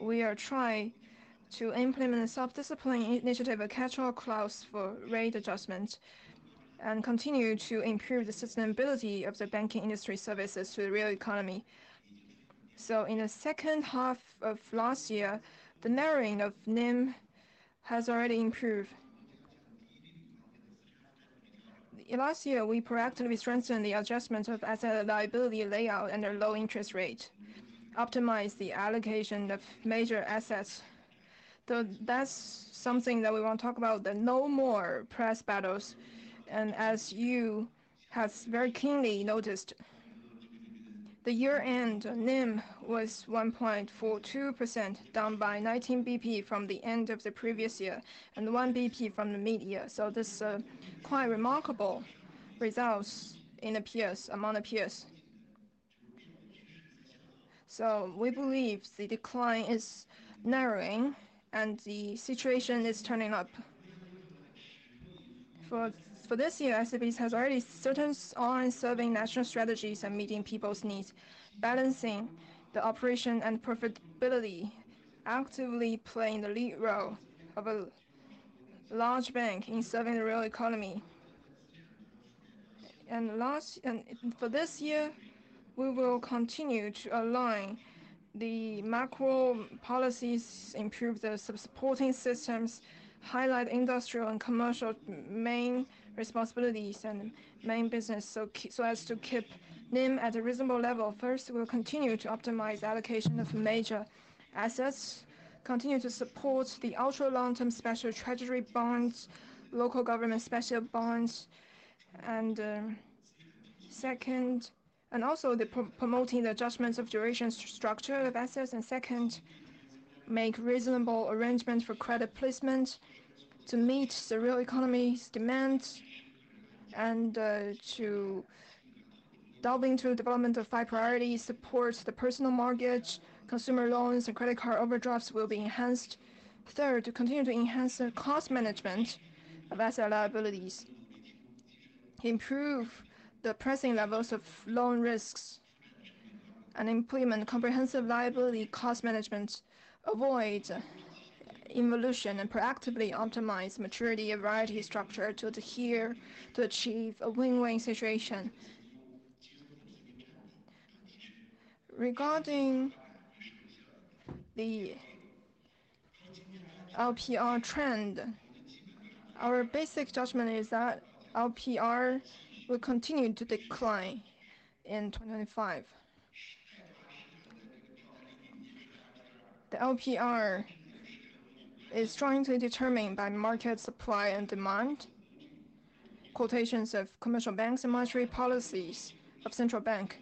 we are trying to implement a self-discipline initiative, a catch-all clause for rate adjustment, and continue to improve the sustainability of the banking industry services to the real economy. In the second half of last year, the narrowing of NIM has already improved. Last year, we proactively strengthened the adjustment of asset liability layout and their low interest rate, optimized the allocation of major assets. That is something that we want to talk about, the no more price battles. As you have very keenly noticed, the year-end NIM was 1.42%, down by 19 basis points from the end of the previous year and 1 basis point from the mid-year. This is quite remarkable results among peers. We believe the decline is narrowing and the situation is turning up. For this year, ICBC has already certainly on serving national strategies and meeting people's needs, balancing the operation and profitability, actively playing the lead role of a large bank in serving the real economy. For this year, we will continue to align the macro policies, improve the supporting systems, highlight industrial and commercial main responsibilities and main business so as to keep NIM at a reasonable level. First, we will continue to optimize allocation of major assets, continue to support the ultra long-term special treasury bonds, local government special bonds, and also promoting the adjustments of duration structure of assets. Second, make reasonable arrangements for credit placement to meet the real economy's demands and to delve into the development of five priorities, support the personal mortgage, consumer loans, and credit card overdrafts will be enhanced. Third, continue to enhance the cost management of asset liabilities, improve the pricing levels of loan risks, and implement comprehensive liability cost management, avoid evolution, and proactively optimize maturity and variety structure to achieve a win-win situation. Regarding the LPR trend, our basic judgment is that LPR will continue to decline in 2025. The LPR is strongly determined by market supply and demand, quotations of commercial banks, and monetary policies of central bank.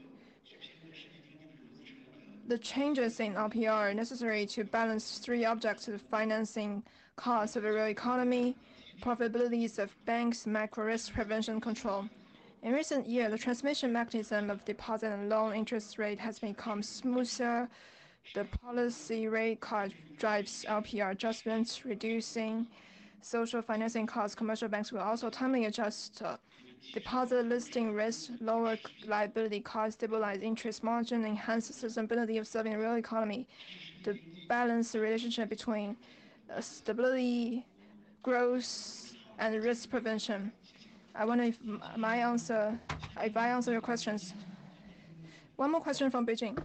The changes in LPR are necessary to balance three objectives: financing costs of the real economy, profitabilities of banks, macro risk prevention control. In recent years, the transmission mechanism of deposit and loan interest rate has become smoother. The policy rate cut drives LPR adjustments, reducing social financing costs. Commercial banks will also timely adjust deposit listing risk, lower liability costs, stabilize interest margin, and enhance the sustainability of serving the real economy. To balance the relationship between stability, growth, and risk prevention. I wonder if my answer, if I answer your questions. One more question from Beijing.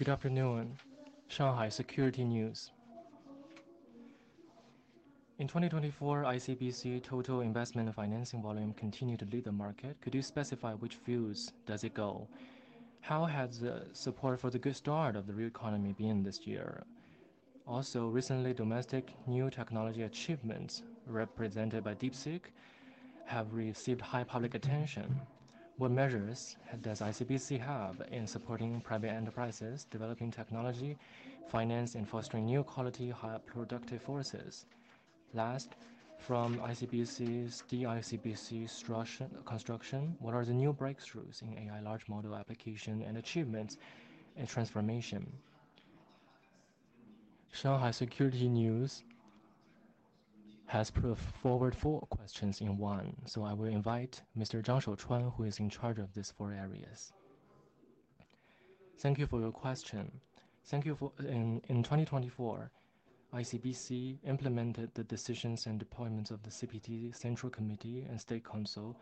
Good afternoon. Shanghai Security News. In 2024, ICBC total investment and financing volume continued to lead the market. Could you specify which views does it go? How has the support for the good start of the real economy been this year? Also, recently, domestic new technology achievements represented by DeepSeek have received high public attention. What measures does ICBC have in supporting private enterprises, developing technology, finance, and fostering new quality, high productive forces? Last, from ICBC's DICBC construction, what are the new breakthroughs in AI large model application and achievements and transformation? Shanghai Security News has put forward four questions in one. I will invite Mr. Zhang Shouchuan, who is in charge of these four areas. Thank you for your question. Thank you for, in 2024, ICBC implemented the decisions and deployments of the CPC Central Committee and State Council,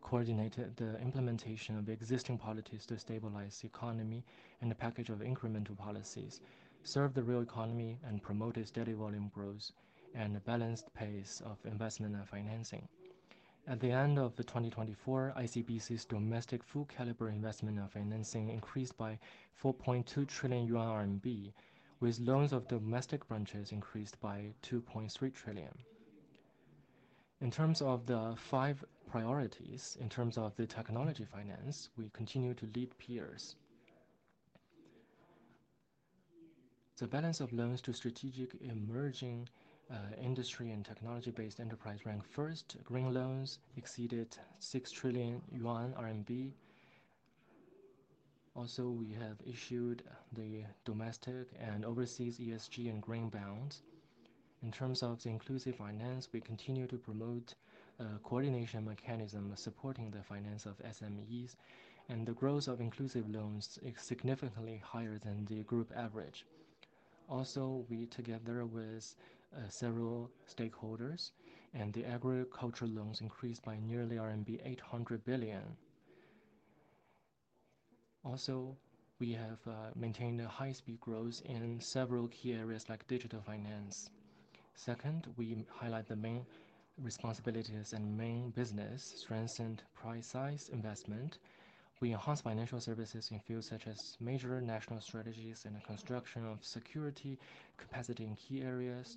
coordinated the implementation of existing policies to stabilize the economy and the package of incremental policies, served the real economy, and promoted steady volume growth and a balanced pace of investment and financing. At the end of 2024, ICBC's domestic full-caliber investment and financing increased by 4.2 trillion yuan, with loans of domestic branches increased by 2.3 trillion. In terms of the five priorities, in terms of the technology finance, we continue to lead peers. The balance of loans to strategic emerging industry and technology-based enterprise ranked first. Green loans exceeded 6 trillion yuan. Also, we have issued the domestic and overseas ESG and green bonds. In terms of inclusive finance, we continue to promote a coordination mechanism supporting the finance of SMEs, and the growth of inclusive loans is significantly higher than the group average. Also, together with several stakeholders, the agricultural loans increased by nearly RMB 800 billion. Also, we have maintained high-speed growth in several key areas like digital finance. Second, we highlight the main responsibilities and main business, strengthened price-size investment. We enhance financial services in fields such as major national strategies and the construction of security capacity in key areas,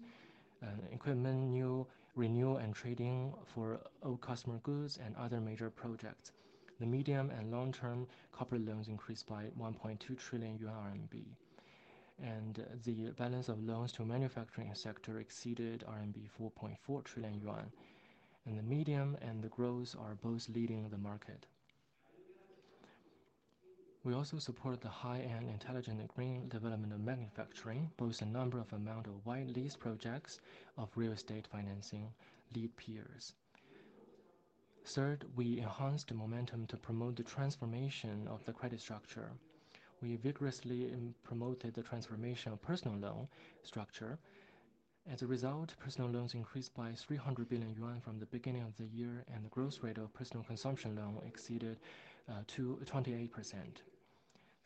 equipment, new renewal, and trading for old customer goods and other major projects. The medium and long-term corporate loans increased by 1.2 trillion yuan, and the balance of loans to manufacturing sector exceeded 4.4 trillion yuan. The medium and the growth are both leading the market. We also support the high-end intelligent and green development of manufacturing, both a number of amount of wide lease projects of real estate financing lead peers. Third, we enhanced the momentum to promote the transformation of the credit structure. We vigorously promoted the transformation of personal loan structure. As a result, personal loans increased by 300 billion yuan from the beginning of the year, and the growth rate of personal consumption loan exceeded 28%.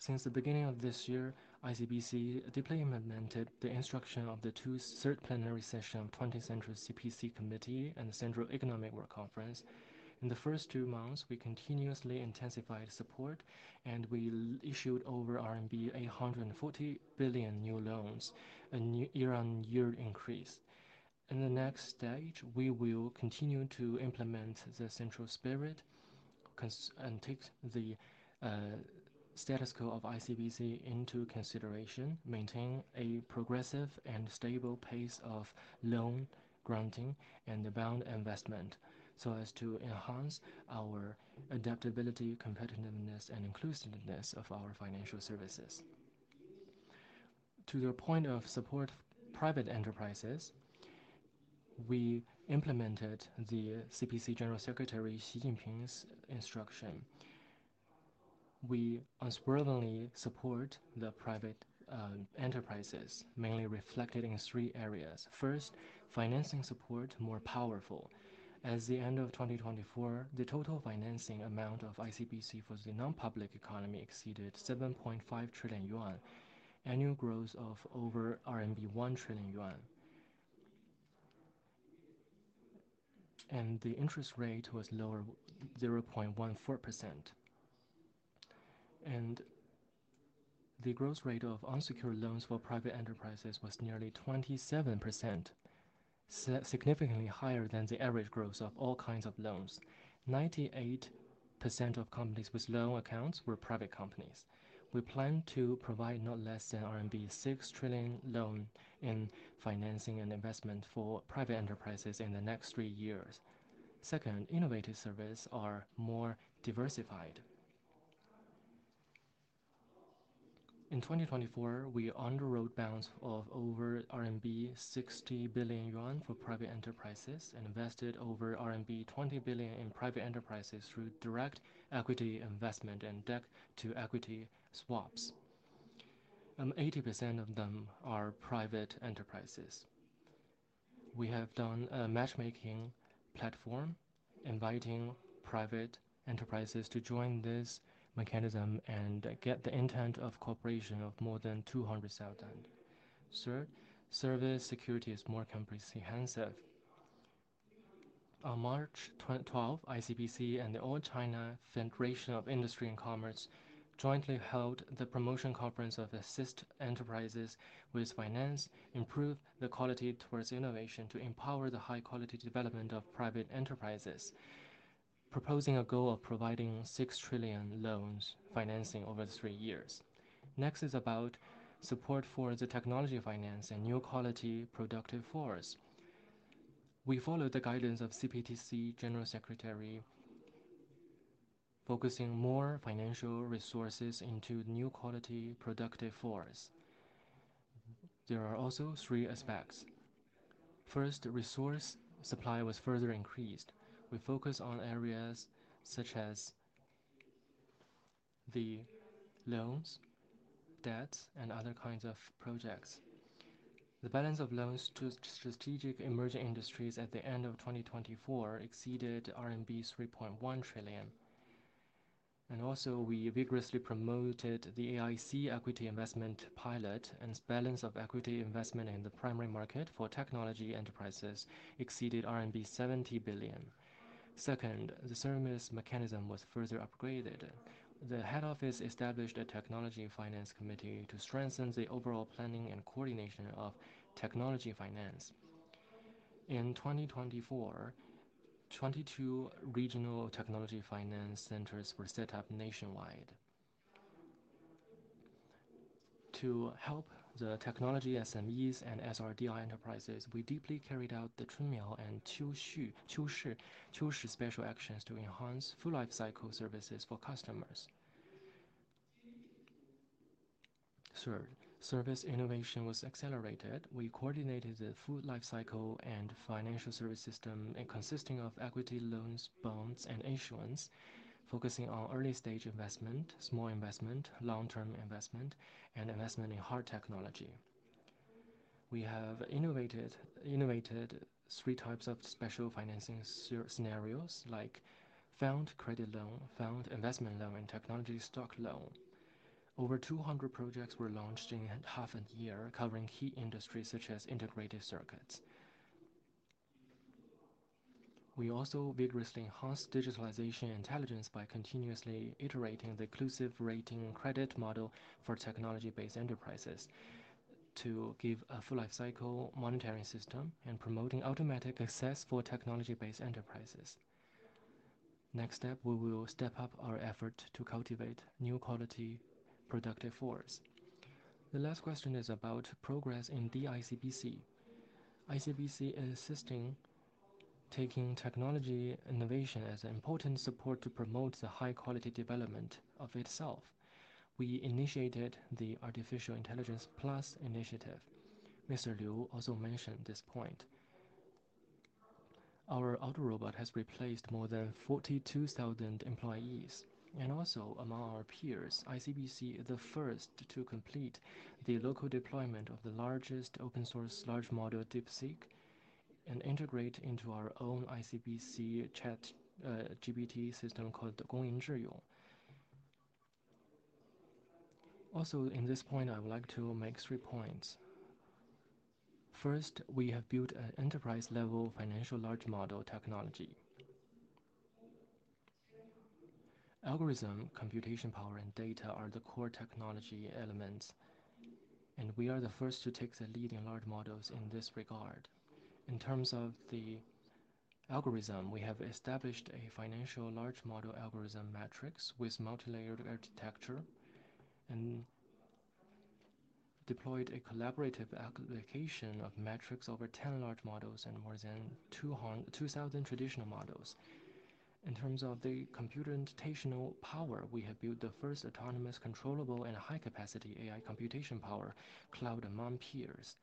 Since the beginning of this year, ICBC deployment implemented the instruction of the third plenary session of the 20th Central CPC Committee and the Central Economic Work Conference. In the first two months, we continuously intensified support, and we issued over RMB 840 billion new loans, a year-on-year increase. In the next stage, we will continue to implement the central spirit and take the status quo of ICBC into consideration, maintain a progressive and stable pace of loan granting and the bound investment so as to enhance our adaptability, competitiveness, and inclusiveness of our financial services. To the point of support of private enterprises, we implemented the CPC General Secretary Xi Jinping's instruction. We unswervingly support the private enterprises, mainly reflected in three areas. First, financing support more powerful. As the end of 2024, the total financing amount of ICBC for the nonpublic economy exceeded 7.5 trillion yuan, annual growth of over 1 trillion yuan, and the interest rate was lower 0.14%. The growth rate of unsecured loans for private enterprises was nearly 27%, significantly higher than the average growth of all kinds of loans. 98% of companies with loan accounts were private companies. We plan to provide no less than RMB 6 trillion loan in financing and investment for private enterprises in the next three years. Second, innovative services are more diversified. In 2024, we underwrote bonds of over 60 billion yuan for private enterprises and invested over RMB 20 billion in private enterprises through direct equity investment and debt-to-equity swaps. 80% of them are private enterprises. We have done a matchmaking platform, inviting private enterprises to join this mechanism and get the intent of cooperation of more than 200,000. Third, service security is more comprehensive. On March 12, ICBC and the All China Federation of Industry and Commerce jointly held the promotion conference of assist enterprises with finance, improve the quality towards innovation to empower the high-quality development of private enterprises, proposing a goal of providing 6 trillion loans financing over three years. Next is about support for the technology finance and new quality productive force. We followed the guidance of CPTC General Secretary, focusing more financial resources into new quality productive force. There are also three aspects. First, resource supply was further increased. We focus on areas such as the loans, debts, and other kinds of projects. The balance of loans to strategic emerging industries at the end of 2024 exceeded RMB 3.1 trillion. We vigorously promoted the AIC equity investment pilot and balance of equity investment in the primary market for technology enterprises exceeded RMB 70 billion. Second, the service mechanism was further upgraded. The head office established a technology finance committee to strengthen the overall planning and coordination of technology finance. In 2024, 22 regional technology finance centers were set up nationwide. To help the technology SMEs and SRDI enterprises, we deeply carried out the Chunmiao and Qiushi special actions to enhance full life cycle services for customers. Third, service innovation was accelerated. We coordinated the full life cycle and financial service system consisting of equity loans, bonds, and issuance, focusing on early-stage investment, small investment, long-term investment, and investment in hard technology. We have innovated three types of special financing scenarios like found credit loan, found investment loan, and technology stock loan. Over 200 projects were launched in half a year, covering key industries such as integrated circuits. We also vigorously enhanced digitalization intelligence by continuously iterating the inclusive rating credit model for technology-based enterprises to give a full life cycle monetary system and promoting automatic access for technology-based enterprises. Next step, we will step up our effort to cultivate new quality productive force. The last question is about progress in DICBC. ICBC is assisting taking technology innovation as an important support to promote the high-quality development of itself. We initiated the Artificial Intelligence Plus initiative. Mr. Liu also mentioned this point. Our auto robot has replaced more than 42,000 employees. Also, among our peers, ICBC is the first to complete the local deployment of the largest open-source large model DeepSeek and integrate into our own ICBC ChatGPT system called Gongying Zhiyu. Also, in this point, I would like to make three points. First, we have built an enterprise-level financial large model technology. Algorithm, computation power, and data are the core technology elements, and we are the first to take the lead in large models in this regard. In terms of the algorithm, we have established a financial large model algorithm matrix with multi-layered architecture and deployed a collaborative application of metrics over 10 large models and more than 2,000 traditional models. In terms of the computational power, we have built the first autonomous controllable and high-capacity AI computation power cloud among peers.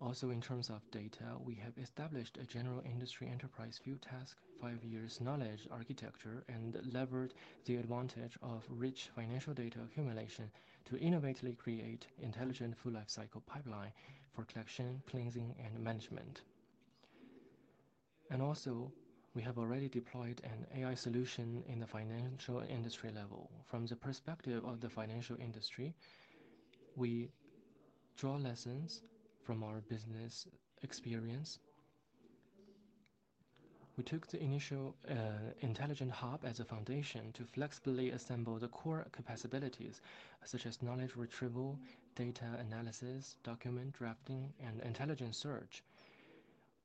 Also, in terms of data, we have established a general industry enterprise field task, five years knowledge architecture, and leveraged the advantage of rich financial data accumulation to innovatively create an intelligent full life cycle pipeline for collection, cleansing, and management. We have already deployed an AI solution in the financial industry level. From the perspective of the financial industry, we draw lessons from our business experience. We took the initial intelligent hub as a foundation to flexibly assemble the core capabilities such as knowledge retrieval, data analysis, document drafting, and intelligent search.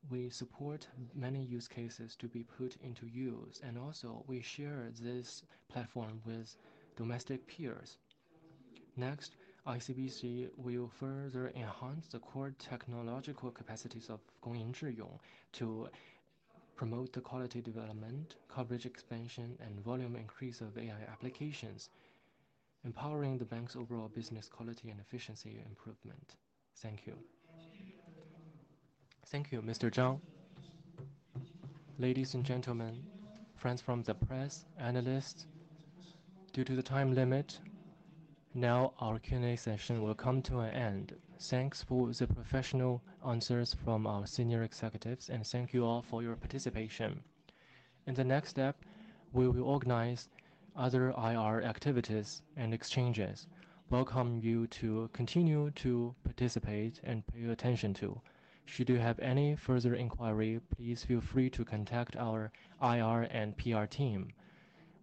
We support many use cases to be put into use, and also, we share this platform with domestic peers. Next, ICBC will further enhance the core technological capacities of Gongying Zhiyu to promote the quality development, coverage expansion, and volume increase of AI applications, empowering the bank's overall business quality and efficiency improvement. Thank you. Thank you, Mr. Zhang. Ladies and gentlemen, friends from the press, analysts, due to the time limit, now our Q&A session will come to an end. Thanks for the professional answers from our senior executives, and thank you all for your participation. In the next step, we will organize other IR activities and exchanges, welcome you to continue to participate and pay attention to. Should you have any further inquiry, please feel free to contact our IR and PR team,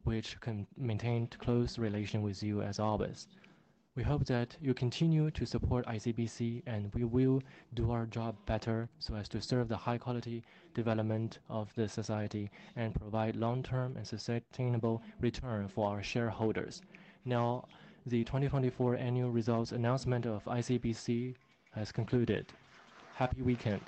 which can maintain close relation with you as always. We hope that you continue to support ICBC, and we will do our job better so as to serve the high-quality development of the society and provide long-term and sustainable return for our shareholders. Now, the 2024 annual results announcement of ICBC has concluded. Happy weekend.